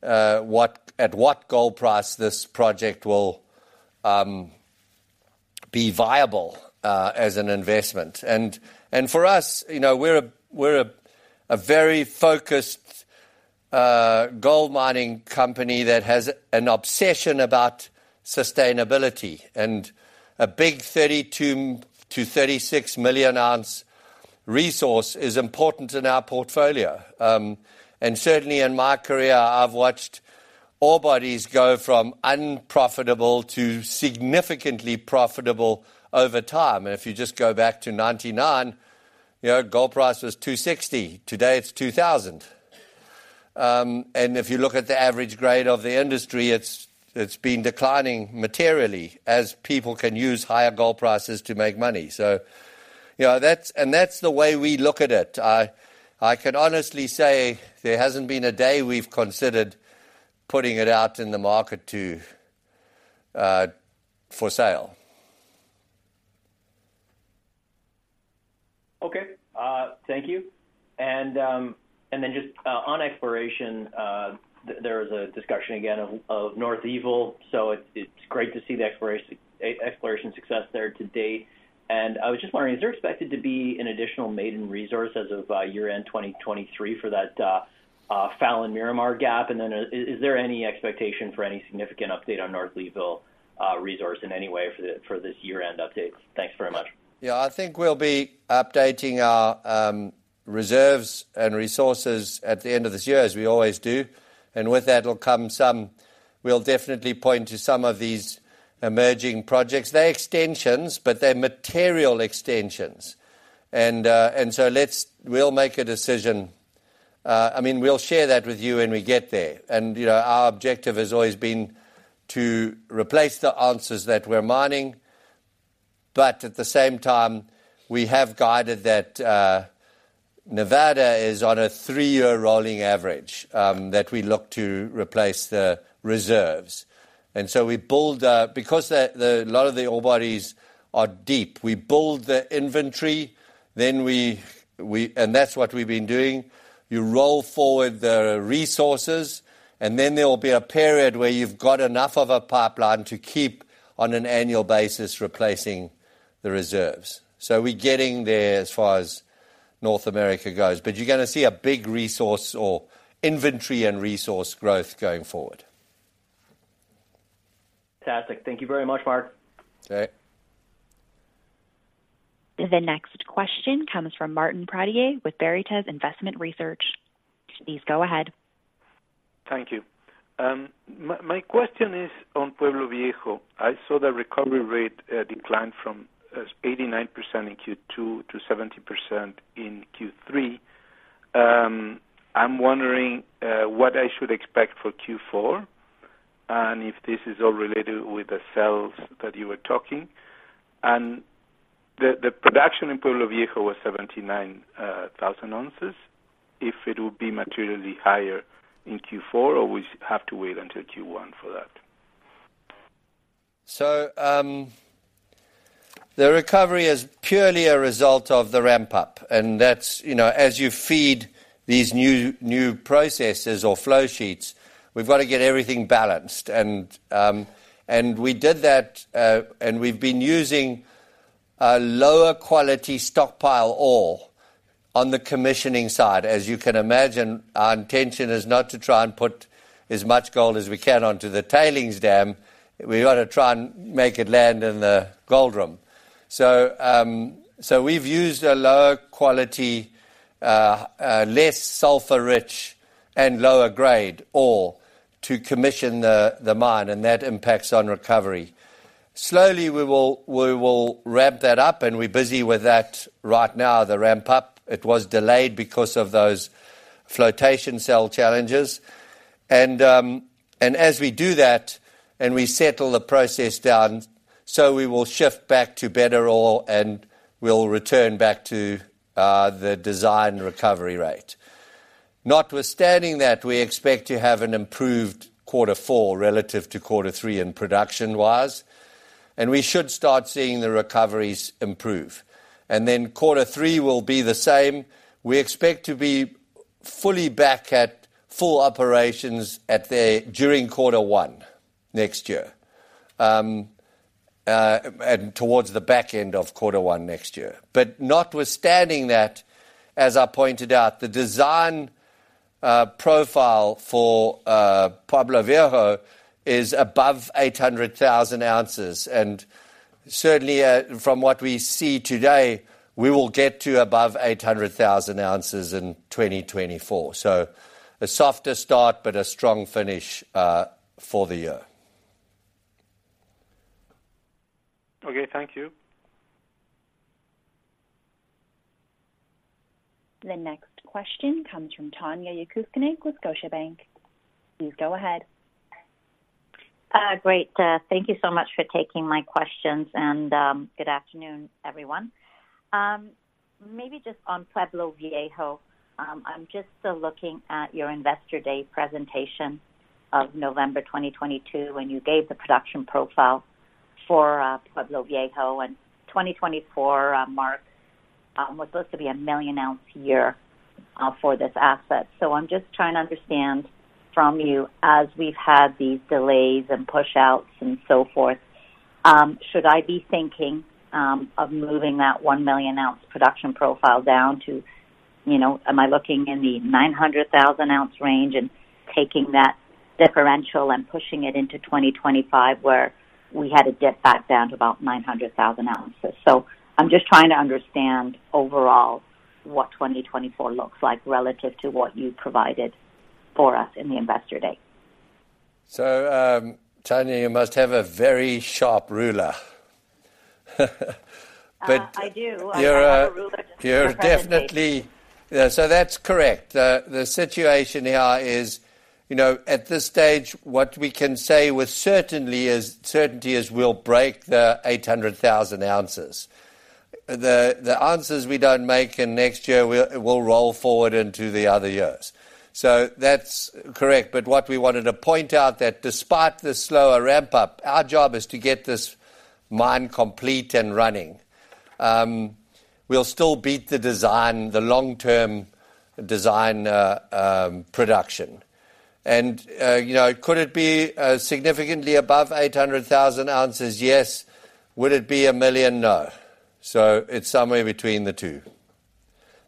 at what gold price this project will be viable as an investment. And for us, you know, we're a very focused gold mining company that has an obsession about sustainability and a big 32 million oz-36 million oz resource is important in our portfolio. And certainly in my career, I've watched all bodies go from unprofitable to significantly profitable over time. And if you just go back to 1999, you know, gold price was $260, today it's $2,000. And if you look at the average grade of the industry, it's been declining materially as people can use higher gold prices to make money. So, you know, that's... And that's the way we look at it. I can honestly say there hasn't been a day we've considered putting it out in the market to, for sale. Okay. Thank you. And then just on exploration, there was a discussion again of North Leeville, so it's great to see the exploration success there to date. And I was just wondering, is there expected to be an additional maiden resource as of year-end 2023 for that Fallon/Miramar gap? And then, is there any expectation for any significant update on North Leeville resource in any way for this year-end update? Thanks very much. Yeah, I think we'll be updating our reserves and resources at the end of this year, as we always do, and with that will come some-- we'll definitely point to some of these emerging projects. They're extensions, but they're material extensions. And so let's-- we'll make a decision. I mean, we'll share that with you when we get there. And, you know, our objective has always been to replace the ounce that we're mining. But at the same time, we have guided that Nevada is on a three-year rolling average that we look to replace the reserves. And so we build, because a lot of the ore bodies are deep, we build the inventory, then we-- and that's what we've been doing. You roll forward the resources, and then there will be a period where you've got enough of a pipeline to keep on an annual basis, replacing the reserves. So we're getting there as far as North America goes, but you're gonna see a big resource or inventory and resource growth going forward. Fantastic. Thank you very much, Mark. Okay. The next question comes from Martin Pradier with Veritas Investment Research. Please go ahead. Thank you. My question is on Pueblo Viejo. I saw the recovery rate decline from 89% in Q2 to 70% in Q3. I'm wondering what I should expect for Q4, and if this is all related with the cells that you were talking? And the production in Pueblo Viejo was 79,000 oz. If it would be materially higher in Q4, or we have to wait until Q1 for that. So, the recovery is purely a result of the ramp up, and that's, you know, as you feed these new, new processes or flowsheet, we've got to get everything balanced. And, and we did that, and we've been using a lower quality stockpile ore on the commissioning side. As you can imagine, our intention is not to try and put as much gold as we can onto the tailings dam. We ought to try and make it land in the gold room. So, so we've used a lower quality, less sulfur-rich and lower grade ore to commission the, the mine, and that impacts on recovery. Slowly, we will, we will ramp that up, and we're busy with that right now, the ramp up. It was delayed because of those flotation cell challenges. And as we do that, and we settle the process down, so we will shift back to better ore, and we'll return back to the design recovery rate. Notwithstanding that, we expect to have an improved quarter four relative to quarter three in production-wise, and we should start seeing the recoveries improve. And then quarter three will be the same. We expect to be fully back at full operations during quarter one next year, and towards the back end of quarter one next year. But notwithstanding that, as I pointed out, the design profile for Pueblo Viejo is above 800,000 oz, and certainly from what we see today, we will get to above 800,000 oz in 2024. So a softer start, but a strong finish for the year. Okay, thank you. The next question comes from Tanya Jakusconek with Scotiabank. Please go ahead. Great. Thank you so much for taking my questions, and good afternoon, everyone. Maybe just on Pueblo Viejo. I'm just still looking at your Investor Day presentation of November 2022, when you gave the production profile for Pueblo Viejo, and 2024, Mark, was supposed to be a 1 million oz year for this asset. So I'm just trying to understand from you, as we've had these delays and push-outs and so forth, should I be thinking of moving that 1 million oz production profile down to, you know, am I looking in the 900,000 oz range and taking that differential and pushing it into 2025, where we had to get that down to about 900,000 oz? I'm just trying to understand overall what 2024 looks like relative to what you provided for us in the Investor Day. So, Tanya, you must have a very sharp ruler. I do. You're a- I have a ruler. You're definitely. Yeah, so that's correct. The situation here is, you know, at this stage, what we can say with certainty is we'll break the 800,000 oz. The ounce we don't make in next year, we'll roll forward into the other years. So that's correct, but what we wanted to point out that despite the slower ramp-up, our job is to get this mine complete and running. We'll still beat the design, the long-term design production. And you know, could it be significantly above 800,000 oz? Yes. Would it be 1 million? No. So it's somewhere between the two.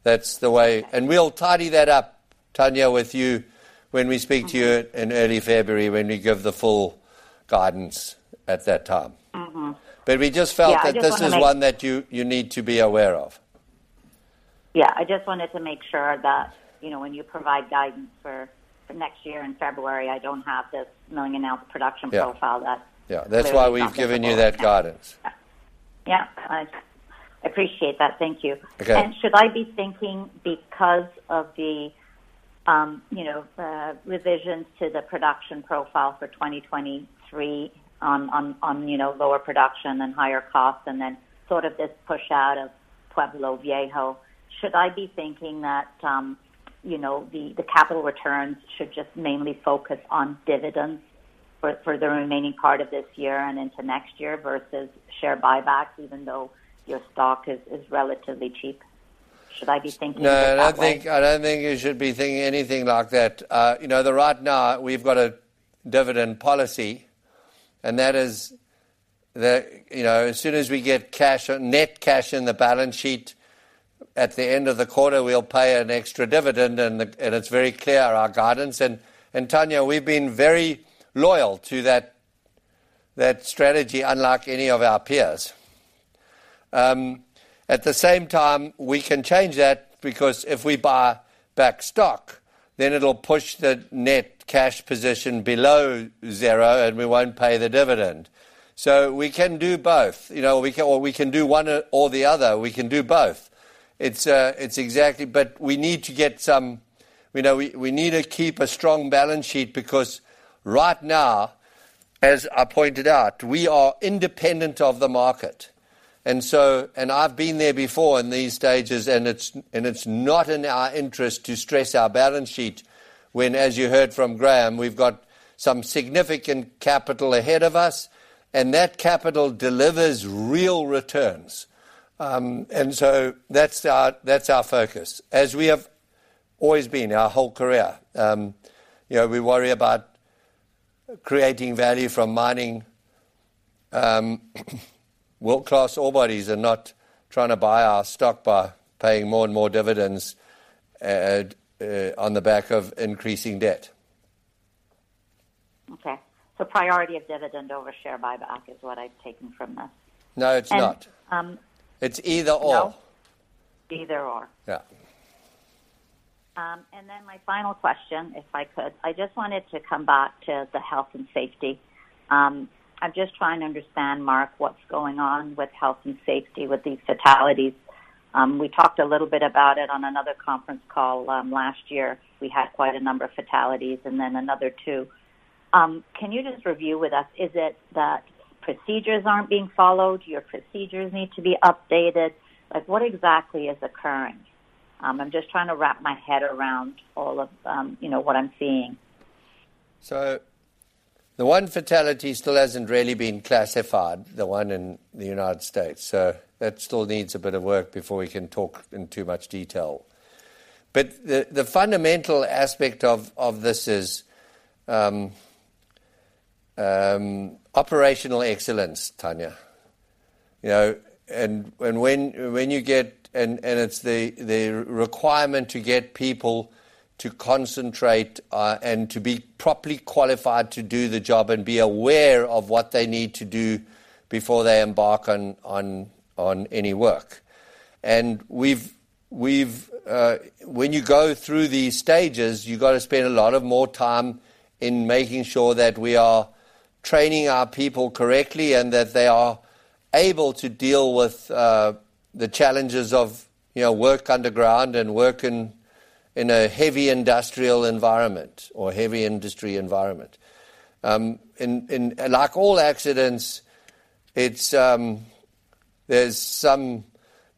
That's the way. And we'll tidy that up, Tanya, with you when we speak to you in early February, when we give the full guidance at that time. But we just felt that- Yeah, I just wanna make- This is one that you, you need to be aware of. Yeah, I just wanted to make sure that, you know, when you provide guidance for next year in February, I don't have this million ounce production profile, that- Yeah. -clear. Yeah, that's why we've given you that guidance. Yeah. I appreciate that. Thank you. Okay. Should I be thinking because of the, you know, revisions to the production profile for 2023 on, you know, lower production and higher costs and then sort of this push out of Pueblo Viejo, should I be thinking that, you know, the capital returns should just mainly focus on dividends for the remaining part of this year and into next year versus share buybacks, even though your stock is relatively cheap? Should I be thinking it that way? No, I don't think, I don't think you should be thinking anything like that. You know, right now we've got a dividend policy, and that is the... You know, as soon as we get cash, net cash in the balance sheet, at the end of the quarter, we'll pay an extra dividend, and it's very clear, our guidance. And, Tanya, we've been very loyal to that, that strategy, unlike any of our peers. At the same time, we can change that because if we buy back stock, then it'll push the net cash position below zero, and we won't pay the dividend. So we can do both. You know, we can, or we can do one or the other. We can do both. It's exactly. But we need to get some... You know, we need to keep a strong balance sheet because right now, as I pointed out, we are independent of the market. And so, I've been there before in these stages, and it's not in our interest to stress our balance sheet when, as you heard from Graham, we've got some significant capital ahead of us, and that capital delivers real returns. And so that's our focus, as we have always been our whole career. You know, we worry about creating value from mining world-class ore bodies and not trying to buy our stock by paying more and more dividends on the back of increasing debt. Okay. Priority of dividend over share buyback is what I've taken from this. No, it's not. And, um- It's either/or. No, either/or. Yeah. And then my final question, if I could, I just wanted to come back to the health and safety. I'm just trying to understand, Mark, what's going on with health and safety with these fatalities. We talked a little bit about it on another conference call, last year. We had quite a number of fatalities and then another two. Can you just review with us, is it that procedures aren't being followed, your procedures need to be updated? Like, what exactly is occurring? I'm just trying to wrap my head around all of, you know, what I'm seeing. So the one fatality still hasn't really been classified, the one in the United States, so that still needs a bit of work before we can talk in too much detail. But the fundamental aspect of this is operational excellence, Tanya. You know, and when you get. And it's the requirement to get people to concentrate, and to be properly qualified to do the job and be aware of what they need to do before they embark on any work. And when you go through these stages, you've got to spend a lot of more time in making sure that we are training our people correctly and that they are able to deal with the challenges of, you know, work underground and work in a heavy industrial environment or heavy industry environment. Like all accidents, it's, there's some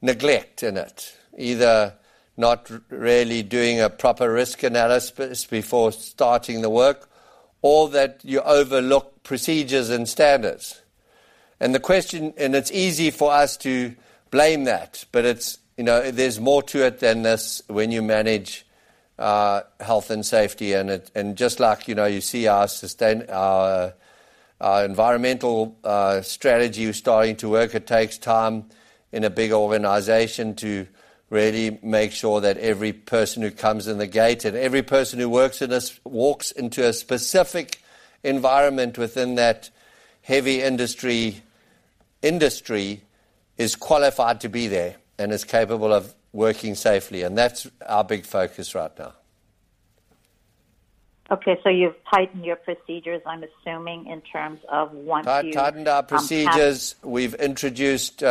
neglect in it, either not really doing a proper risk analysis before starting the work or that you overlook procedures and standards. It's easy for us to blame that, but it's, you know, there's more to it than this when you manage health and safety and it. Just like, you know, you see our sustainability, our environmental strategy starting to work, it takes time in a big organization to really make sure that every person who comes in the gate and every person who works in this walks into a specific environment within that heavy industry is qualified to be there and is capable of working safely and that's our big focus right now. Okay, so you've tightened your procedures, I'm assuming, in terms of once you- Tightened our procedures. Um, have- We've introduced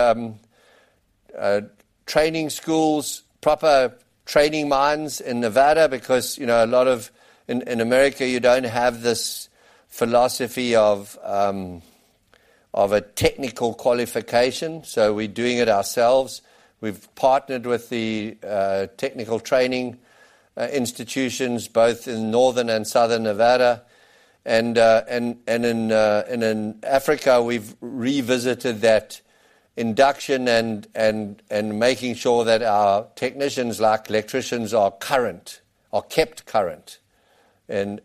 training schools, proper training mines in Nevada, because, you know, a lot of in America, you don't have this philosophy of a technical qualification, so we're doing it ourselves. We've partnered with the technical training institutions both in northern and southern Nevada, and in Africa, we've revisited that induction and making sure that our technicians, like electricians, are current or kept current and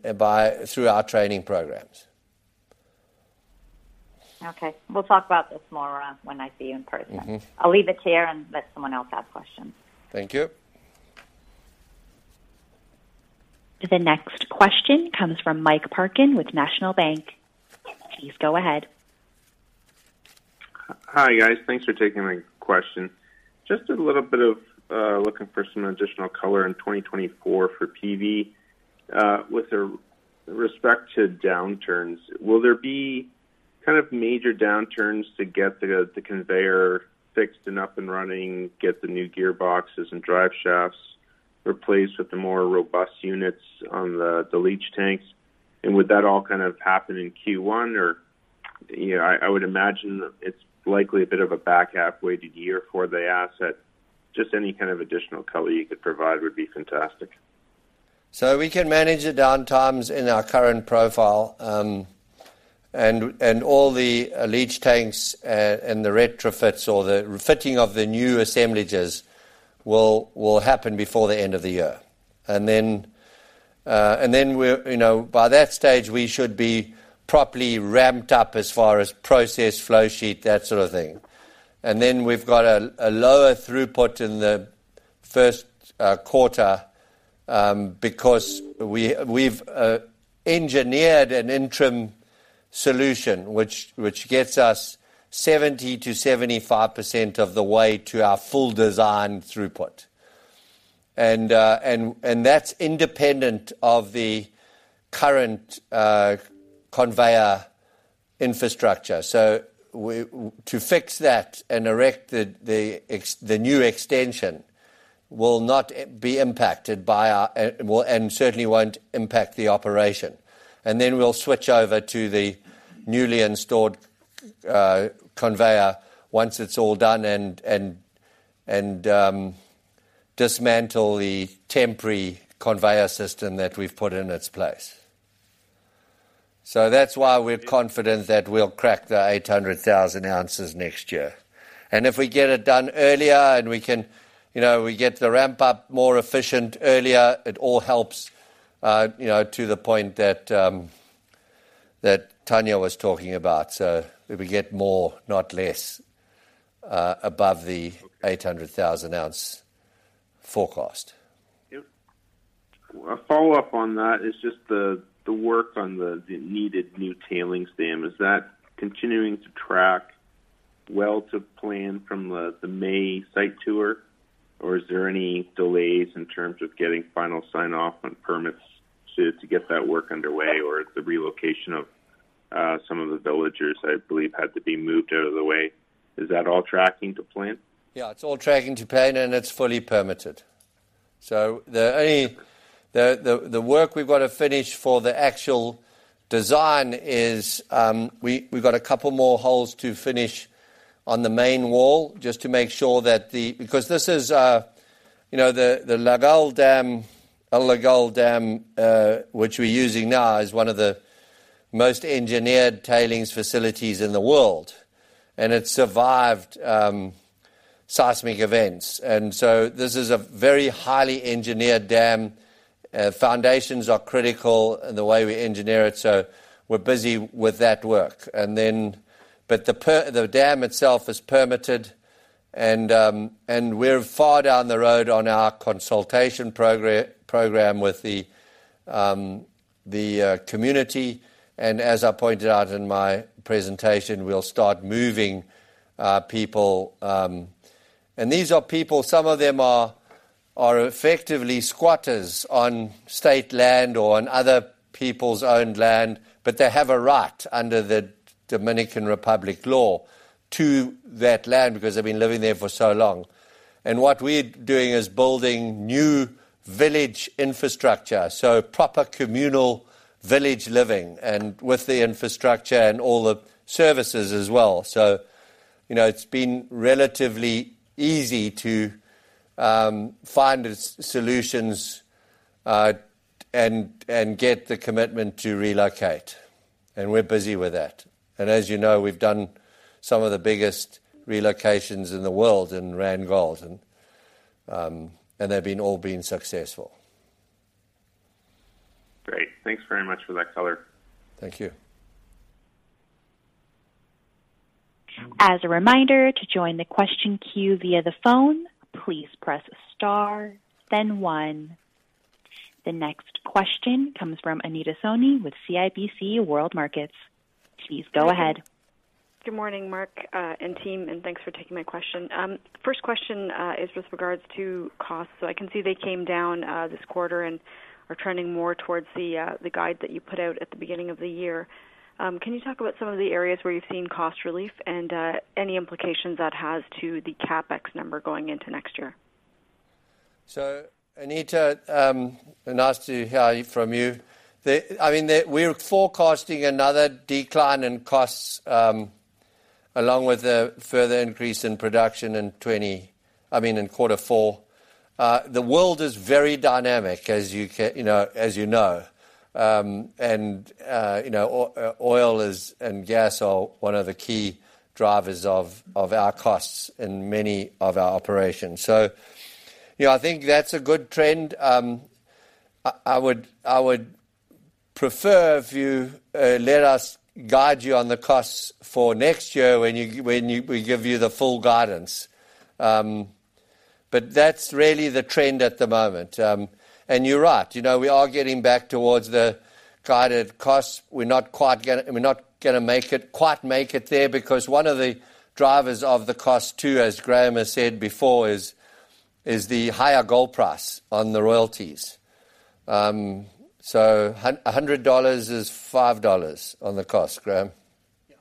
through our training programs. Okay. We'll talk about this more, when I see you in person. I'll leave it here and let someone else ask questions. Thank you. The next question comes from Mike Parkin with National Bank. Please go ahead. Hi, guys. Thanks for taking my question. Just a little bit of looking for some additional color in 2024 for PV. With respect to downturns, will there be kind of major downturns to get the conveyor fixed and up and running, get the new gearboxes and drive shafts replaced with the more robust units on the leach tanks? And would that all kind of happen in Q1 or... You know, I would imagine that it's likely a bit of a back half weighted year for the asset. Just any kind of additional color you could provide would be fantastic. So we can manage the downtimes in our current profile. And all the leach tanks and the retrofits or the refitting of the new assemblages will happen before the end of the year. And then we're, you know, by that stage, we should be properly ramped up as far as process, flow sheet, that sort of thing. And then we've got a lower throughput in the Q1 because we've engineered an interim solution, which gets us 70%-75% of the way to our full design throughput. And that's independent of the current conveyor infrastructure. So to fix that and erect the new extension will not be impacted by our well and certainly won't impact the operation. And then we'll switch over to the newly installed conveyor once it's all done, and dismantle the temporary conveyor system that we've put in its place. So that's why we're confident that we'll crack the 800,000 oz next year. And if we get it done earlier and we can, you know, we get the ramp-up more efficient earlier, it all helps, you know, to the point that that Tanya was talking about. So we will get more, not less, above the- 800,000 oz forecast. Yep. A follow-up on that is just the work on the needed new tailings dam. Is that continuing to track well to plan from the May site tour, or is there any delays in terms of getting final sign-off on permits to get that work underway or the relocation of some of the villagers, I believe, had to be moved out of the way? Is that all tracking to plan? Yeah, it's all tracking to plan, and it's fully permitted. So the only work we've got to finish for the actual design is, we've got a couple more holes to finish on the main wall, just to make sure that the, because this is, you know, the, the Llagal Dam, which we're using now, is one of the most engineered tailings facilities in the world, and it survived seismic events. And so this is a very highly engineered dam. Foundations are critical in the way we engineer it, so we're busy with that work. And then, but the dam itself is permitted and, and we're far down the road on our consultation program with the community, and as I pointed out in my presentation, we'll start moving people. These are people, some of them are effectively squatters on state land or on other people's owned land, but they have a right under the Dominican Republic law to that land because they've been living there for so long. What we're doing is building new village infrastructure, so proper communal village living and with the infrastructure and all the services as well. So, you know, it's been relatively easy to find solutions and get the commitment to relocate, and we're busy with that. As you know, we've done some of the biggest relocations in the world in Randgold, and they've all been successful. Great. Thanks very much for that color. Thank you. As a reminder, to join the question queue via the phone, please press star, then one. The next question comes from Anita Soni with CIBC World Markets. Please go ahead. Good morning, Mark, and team, and thanks for taking my question. First question is with regards to costs. So I can see they came down this quarter and are trending more towards the guide that you put out at the beginning of the year. Can you talk about some of the areas where you've seen cost relief and any implications that has to the CapEx number going into next year? So, Anita, nice to hear from you. I mean, the, we're forecasting another decline in costs, along with a further increase in production in twenty, I mean, in quarter four. The world is very dynamic, as you can, you know, as you know. And, you know, oil is, and gas are one of the key drivers of, of our costs in many of our operations. So, you know, I think that's a good trend. I would prefer if you let us guide you on the costs for next year when you, when we give you the full guidance. But that's really the trend at the moment. And you're right. You know, we are getting back towards the guided costs. We're not quite gonna, we're not gonna make it, quite make it there because one of the drivers of the cost, too, as Graham has said before, is, is the higher gold price on the royalties. So $100 is $5 on the cost, Graham? Yeah.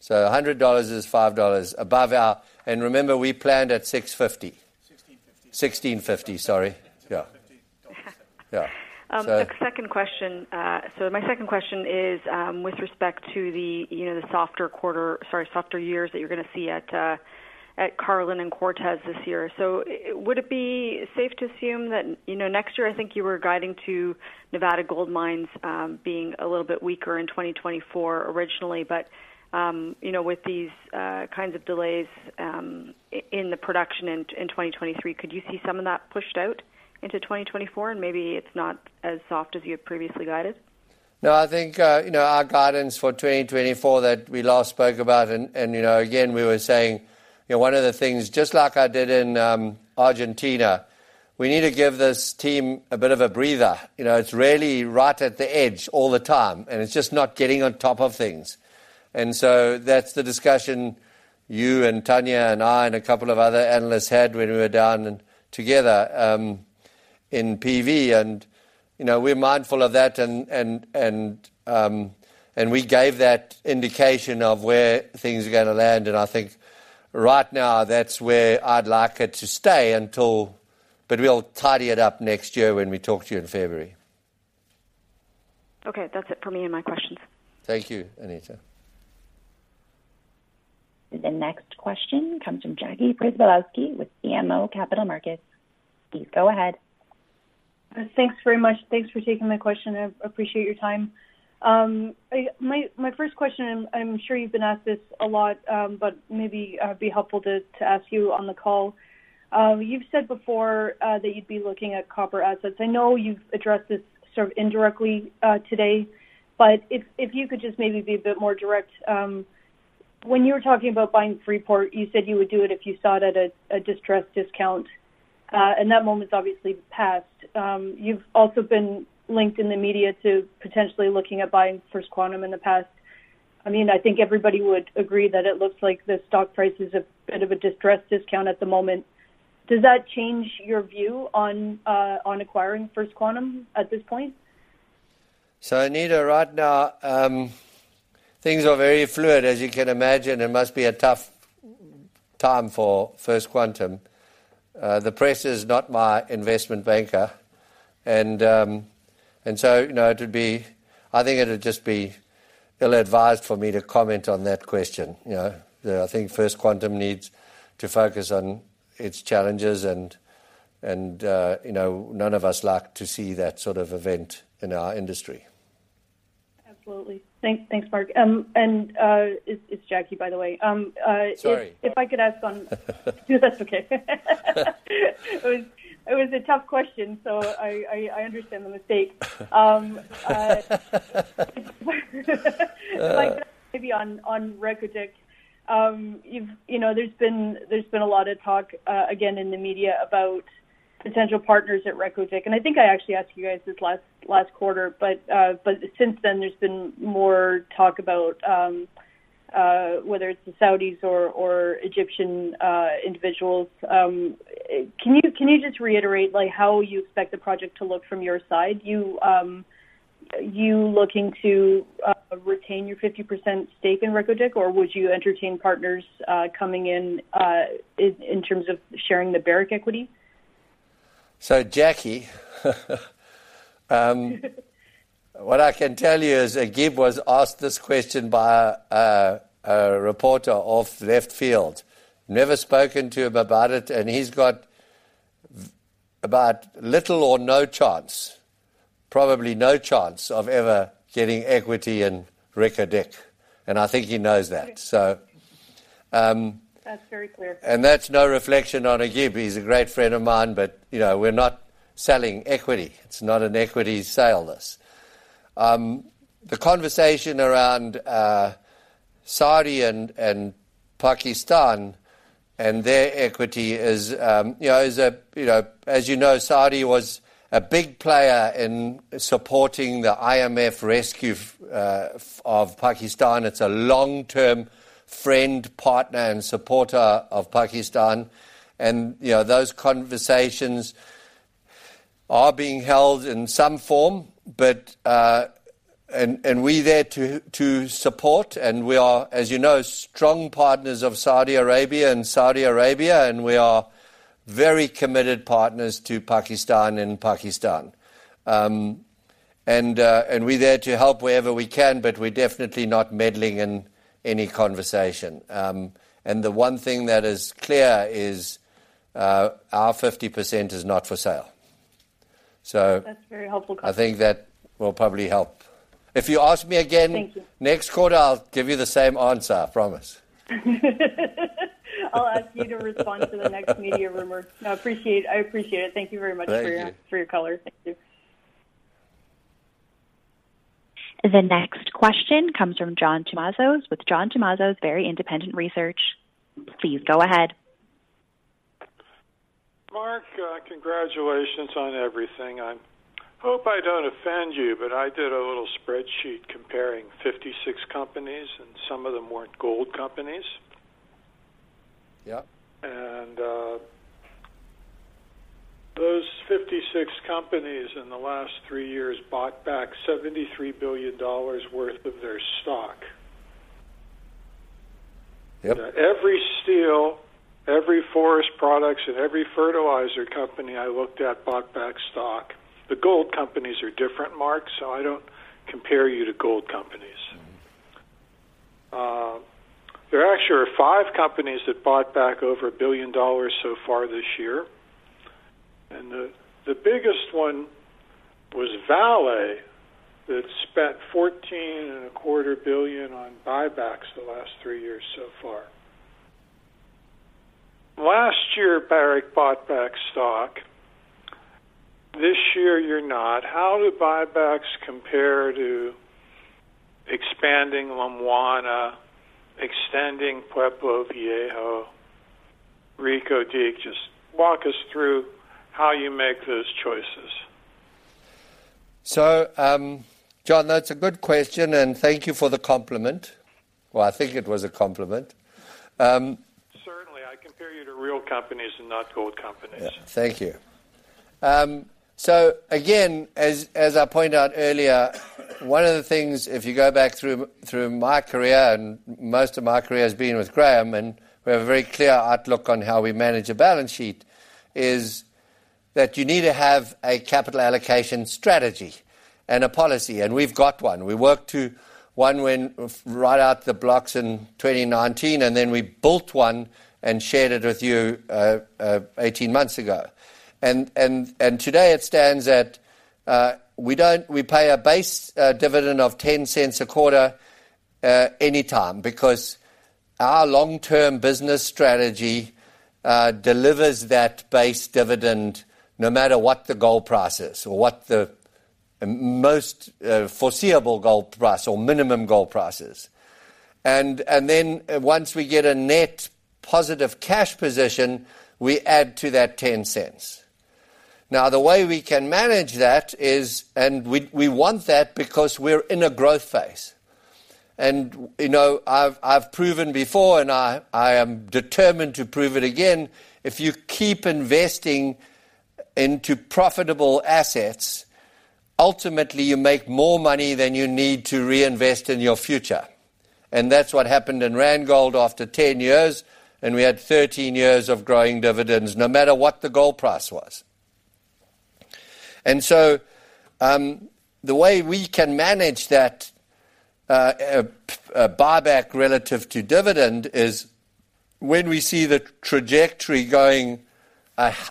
$100 is $5 above our... And remember, we planned at $650. $1650. $1650, sorry. Yeah. $1650. Yeah. So- The second question, so my second question is, with respect to the, you know, the softer quarter, sorry, softer years that you're gonna see at Carlin and Cortez this year. So would it be safe to assume that, you know, next year, I think you were guiding to Nevada Gold Mines being a little bit weaker in 2024 originally, but, you know, with these kinds of delays in the production in 2023, could you see some of that pushed out into 2024, and maybe it's not as soft as you had previously guided? No, I think, you know, our guidance for 2024 that we last spoke about and, and you know, again, we were saying, you know, one of the things, just like I did in Argentina, we need to give this team a bit of a breather. You know, it's really right at the edge all the time, and it's just not getting on top of things. And so that's the discussion you and Tanya and I and a couple of other analysts had when we were down together in PV. And, you know, we're mindful of that, and, and, and, and we gave that indication of where things are gonna land, and I think right now, that's where I'd like it to stay until-- but we'll tidy it up next year when we talk to you in February. Okay. That's it for me and my questions. Thank you, Anita. The next question comes from Jackie Przybylowski with BMO Capital Markets. Please go ahead. Thanks very much. Thanks for taking my question. I appreciate your time. My first question, I'm sure you've been asked this a lot, but maybe it'd be helpful to ask you on the call. You've said before that you'd be looking at copper assets. I know you've addressed this sort of indirectly today, but if you could just maybe be a bit more direct. When you were talking about buying Freeport, you said you would do it if you saw it at a distressed discount, and that moment's obviously passed. You've also been linked in the media to potentially looking at buying First Quantum in the past. I mean, I think everybody would agree that it looks like the stock price is a bit of a distressed discount at the moment. Does that change your view on acquiring First Quantum at this point? So Anita, right now, things are very fluid, as you can imagine. It must be a tough time for First Quantum. The press is not my investment banker, and, and so, you know, it would be-- I think it would just be ill-advised for me to comment on that question, you know. The, I think First Quantum needs to focus on its challenges and, you know, none of us like to see that sort of event in our industry. Absolutely. Thanks, Mark. And it's Jackie, by the way. Sorry. If I could ask one... That's okay. It was a tough question, so I understand the mistake. Maybe on Reko Diq, you know, there's been a lot of talk again in the media about potential partners at Reko Diq, and I think I actually asked you guys this last quarter, but since then, there's been more talk about whether it's the Saudis or Egyptian individuals. Can you just reiterate, like, how you expect the project to look from your side? You looking to retain your 50% stake in Reko Diq, or would you entertain partners coming in in terms of sharing the Barrick equity? So, Jackie, what I can tell you is Agnico was asked this question by a reporter out of left field. Never spoken to him about it, and he's got very little or no chance, probably no chance of ever getting equity in Reko Diq, and I think he knows that. That's very clear. And that's no reflection on [Agib]. He's a great friend of mine, but, you know, we're not selling equity. It's not an equity sale, this. The conversation around Saudi and Pakistan and their equity is, you know, is a, you know, as you know, Saudi was a big player in supporting the IMF rescue of Pakistan. It's a long-term friend, partner and supporter of Pakistan and, you know, those conversations are being held in some form, but... And we're there to support and we are, as you know, strong partners of Saudi Arabia and Saudi Arabia, and we are very committed partners to Pakistan and Pakistan. And we're there to help wherever we can, but we're definitely not meddling in any conversation. The one thing that is clear is our 50% is not for sale. So- That's very helpful, Mark. I think that will probably help. If you ask me again- Thank you... next quarter, I'll give you the same answer, I promise. I'll ask you to respond to the next media rumor. No, appreciate. I appreciate it. Thank you very much for your- Thank you. for your color. Thank you. The next question comes from John Tumazos with John Tumazos Very Independent Research. Please go ahead. Mark, congratulations on everything. I hope I don't offend you, but I did a little spreadsheet comparing 56 companies, and some of them weren't gold companies. Yeah. Those 56 companies in the last three years bought back $73 billion worth of their stock. Yep. Every steel, every forest products, and every fertilizer company I looked at bought back stock. The gold companies are different, Mark, so I don't compare you to gold companies. There actually are five companies that bought back over $1 billion so far this year, and the biggest one was Vale, that spent $14.25 billion on buybacks the last three years so far. Last year, Barrick bought back stock. This year, you're not. How do buybacks compare to expanding Lumwana, extending Pueblo Viejo, Reko Diq? Just walk us through how you make those choices. So, John, that's a good question, and thank you for the compliment. Well, I think it was a compliment. Certainly, I compare you to real companies and not gold companies. Yeah. Thank you. So again, as I pointed out earlier, one of the things, if you go back through my career, and most of my career has been with Graham, and we have a very clear outlook on how we manage a balance sheet, is that you need to have a capital allocation strategy and a policy, and we've got one. We worked to one right out of the blocks in 2019, and then we built one and shared it with you 18 months ago. And today it stands at we pay a base dividend of $0.10 a quarter anytime, because our long-term business strategy delivers that base dividend no matter what the gold price is or what the most foreseeable gold price or minimum gold price is. And then, once we get a net positive cash position, we add to that $0.10. Now, the way we can manage that is... And we want that because we're in a growth phase. And, you know, I've proven before, and I am determined to prove it again, if you keep investing into profitable assets, ultimately you make more money than you need to reinvest in your future. And that's what happened in Randgold after 10 years, and we had 13 years of growing dividends, no matter what the gold price was. And so, the way we can manage that, buyback relative to dividend is, when we see the trajectory going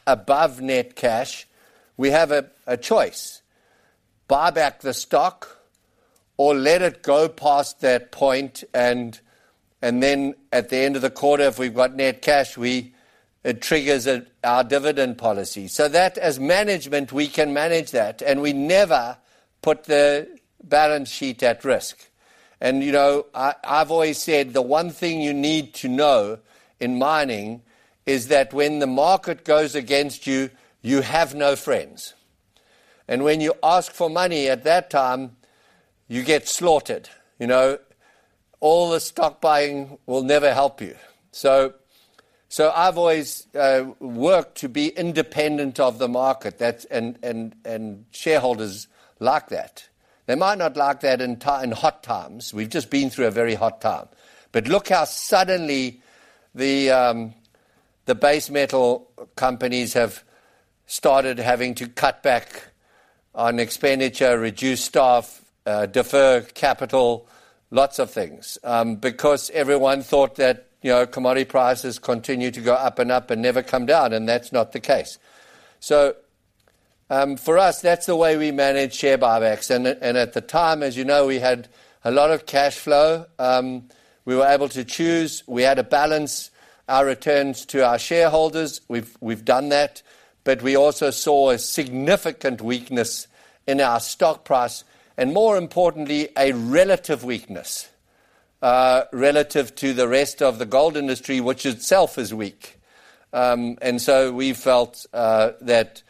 above net cash, we have a choice: buy back the stock or let it go past that point, and then at the end of the quarter, if we've got net cash, we—it triggers our dividend policy. So that, as management, we can manage that, and we never put the balance sheet at risk. And, you know, I've always said, the one thing you need to know in mining is that when the market goes against you, you have no friends... and when you ask for money at that time, you get slaughtered. You know, all the stock buying will never help you. So, I've always worked to be independent of the market. That's—and shareholders like that. They might not like that in hot times. We've just been through a very hot time. But look how suddenly the base metal companies have started having to cut back on expenditure, reduce staff, defer capital, lots of things, because everyone thought that, you know, commodity prices continue to go up and up and never come down, and that's not the case. So, for us, that's the way we manage share buybacks, and at the time, as you know, we had a lot of cash flow. We were able to choose. We had to balance our returns to our shareholders. We've done that, but we also saw a significant weakness in our stock price and, more importantly, a relative weakness, relative to the rest of the gold industry, which itself is weak. And so we felt that,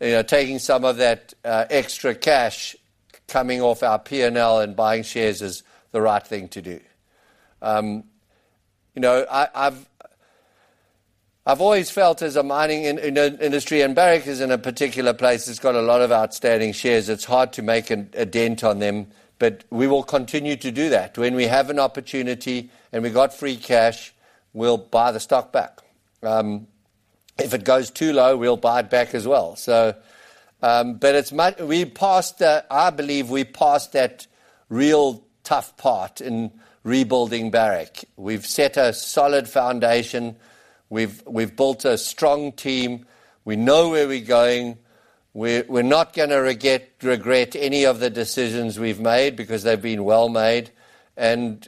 you know, taking some of that extra cash coming off our P&L and buying shares is the right thing to do. You know, I've always felt as a mining industry, and Barrick is in a particular place, it's got a lot of outstanding shares, it's hard to make a dent on them, but we will continue to do that. When we have an opportunity, and we've got free cash, we'll buy the stock back. If it goes too low, we'll buy it back as well. So, but we've passed that. I believe we've passed that real tough part in rebuilding Barrick. We've set a solid foundation. We've built a strong team. We know where we're going. We're not gonna regret any of the decisions we've made because they've been well made, and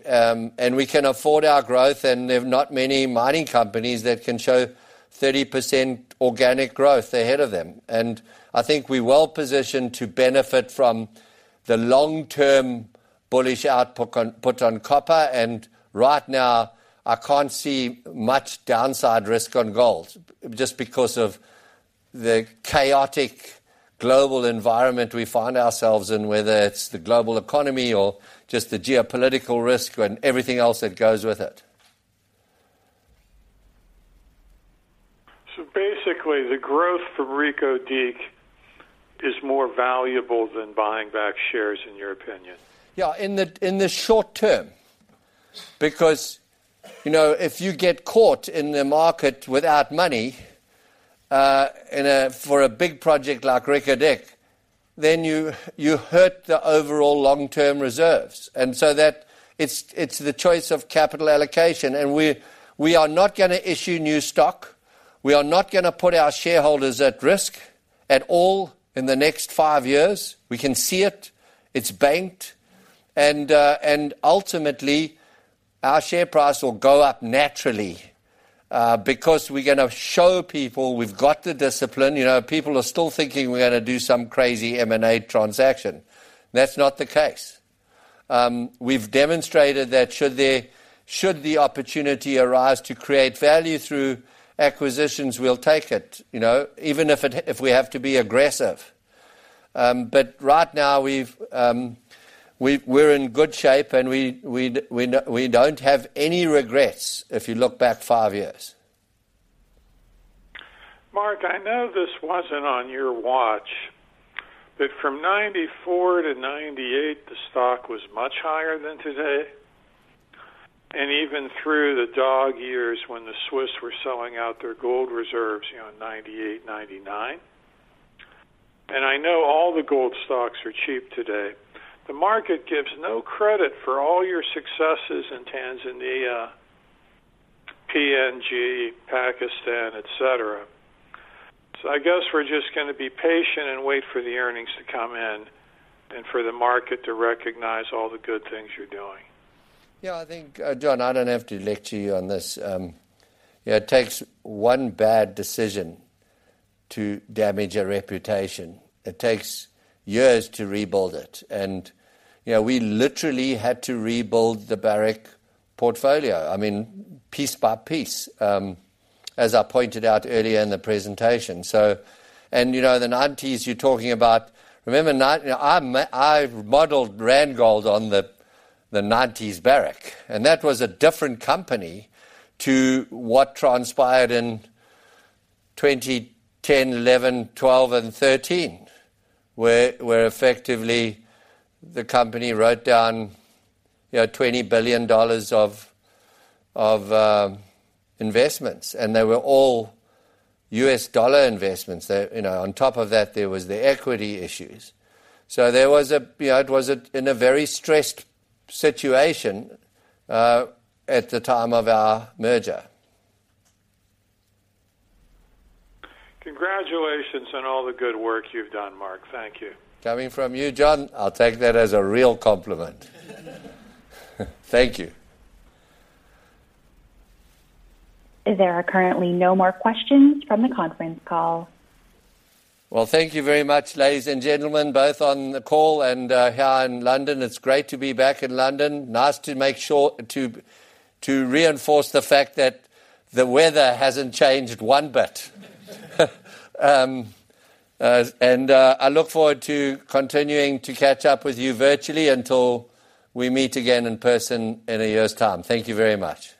we can afford our growth, and there are not many mining companies that can show 30% organic growth ahead of them. And I think we're well-positioned to benefit from the long-term bullish outlook on copper, and right now, I can't see much downside risk on gold just because of the chaotic global environment we find ourselves in, whether it's the global economy or just the geopolitical risk and everything else that goes with it. Basically, the growth from Reko Diq is more valuable than buying back shares, in your opinion? Yeah, in the short term, because, you know, if you get caught in the market without money, in a for a big project like Reko Diq, then you hurt the overall long-term reserves, and so it's the choice of capital allocation. And we are not gonna issue new stock. We are not gonna put our shareholders at risk at all in the next five years. We can see it. It's banked. And ultimately, our share price will go up naturally, because we're gonna show people we've got the discipline. You know, people are still thinking we're gonna do some crazy M&A transaction. That's not the case. We've demonstrated that should there, should the opportunity arise to create value through acquisitions, we'll take it, you know, even if it, if we have to be aggressive. But right now, we're in good shape, and we don't have any regrets, if you look back five years. Mark, I know this wasn't on your watch, but from 1994 to 1998, the stock was much higher than today, and even through the dog years when the Swiss were selling out their gold reserves, you know, in 1998, 1999. And I know all the gold stocks are cheap today. The market gives no credit for all your successes in Tanzania, PNG, Pakistan, et cetera. So I guess we're just gonna be patient and wait for the earnings to come in and for the market to recognize all the good things you're doing. Yeah, I think, John, I don't have to lecture you on this. You know, it takes one bad decision to damage a reputation. It takes years to rebuild it. And, you know, we literally had to rebuild the Barrick portfolio, I mean, piece by piece, as I pointed out earlier in the presentation. So... And, you know, the nineties, you're talking about, remember nine- you know, I've modeled Randgold on the, the nineties Barrick, and that was a different company to what transpired in 2010, 2011, 2012, and 2013, where, where effectively, the company wrote down, you know, $20 billion of, of, investments, and they were all U.S. dollar investments. There, you know, on top of that, there was the equity issues. So there was a, you know, it was at, in a very stressed situation at the time of our merger. Congratulations on all the good work you've done, Mark. Thank you. Coming from you, John, I'll take that as a real compliment. Thank you. There are currently no more questions from the conference call. Well, thank you very much, ladies and gentlemen, both on the call and here in London. It's great to be back in London. Nice to make sure to reinforce the fact that the weather hasn't changed one bit. And I look forward to continuing to catch up with you virtually until we meet again in person in a year's time. Thank you very much.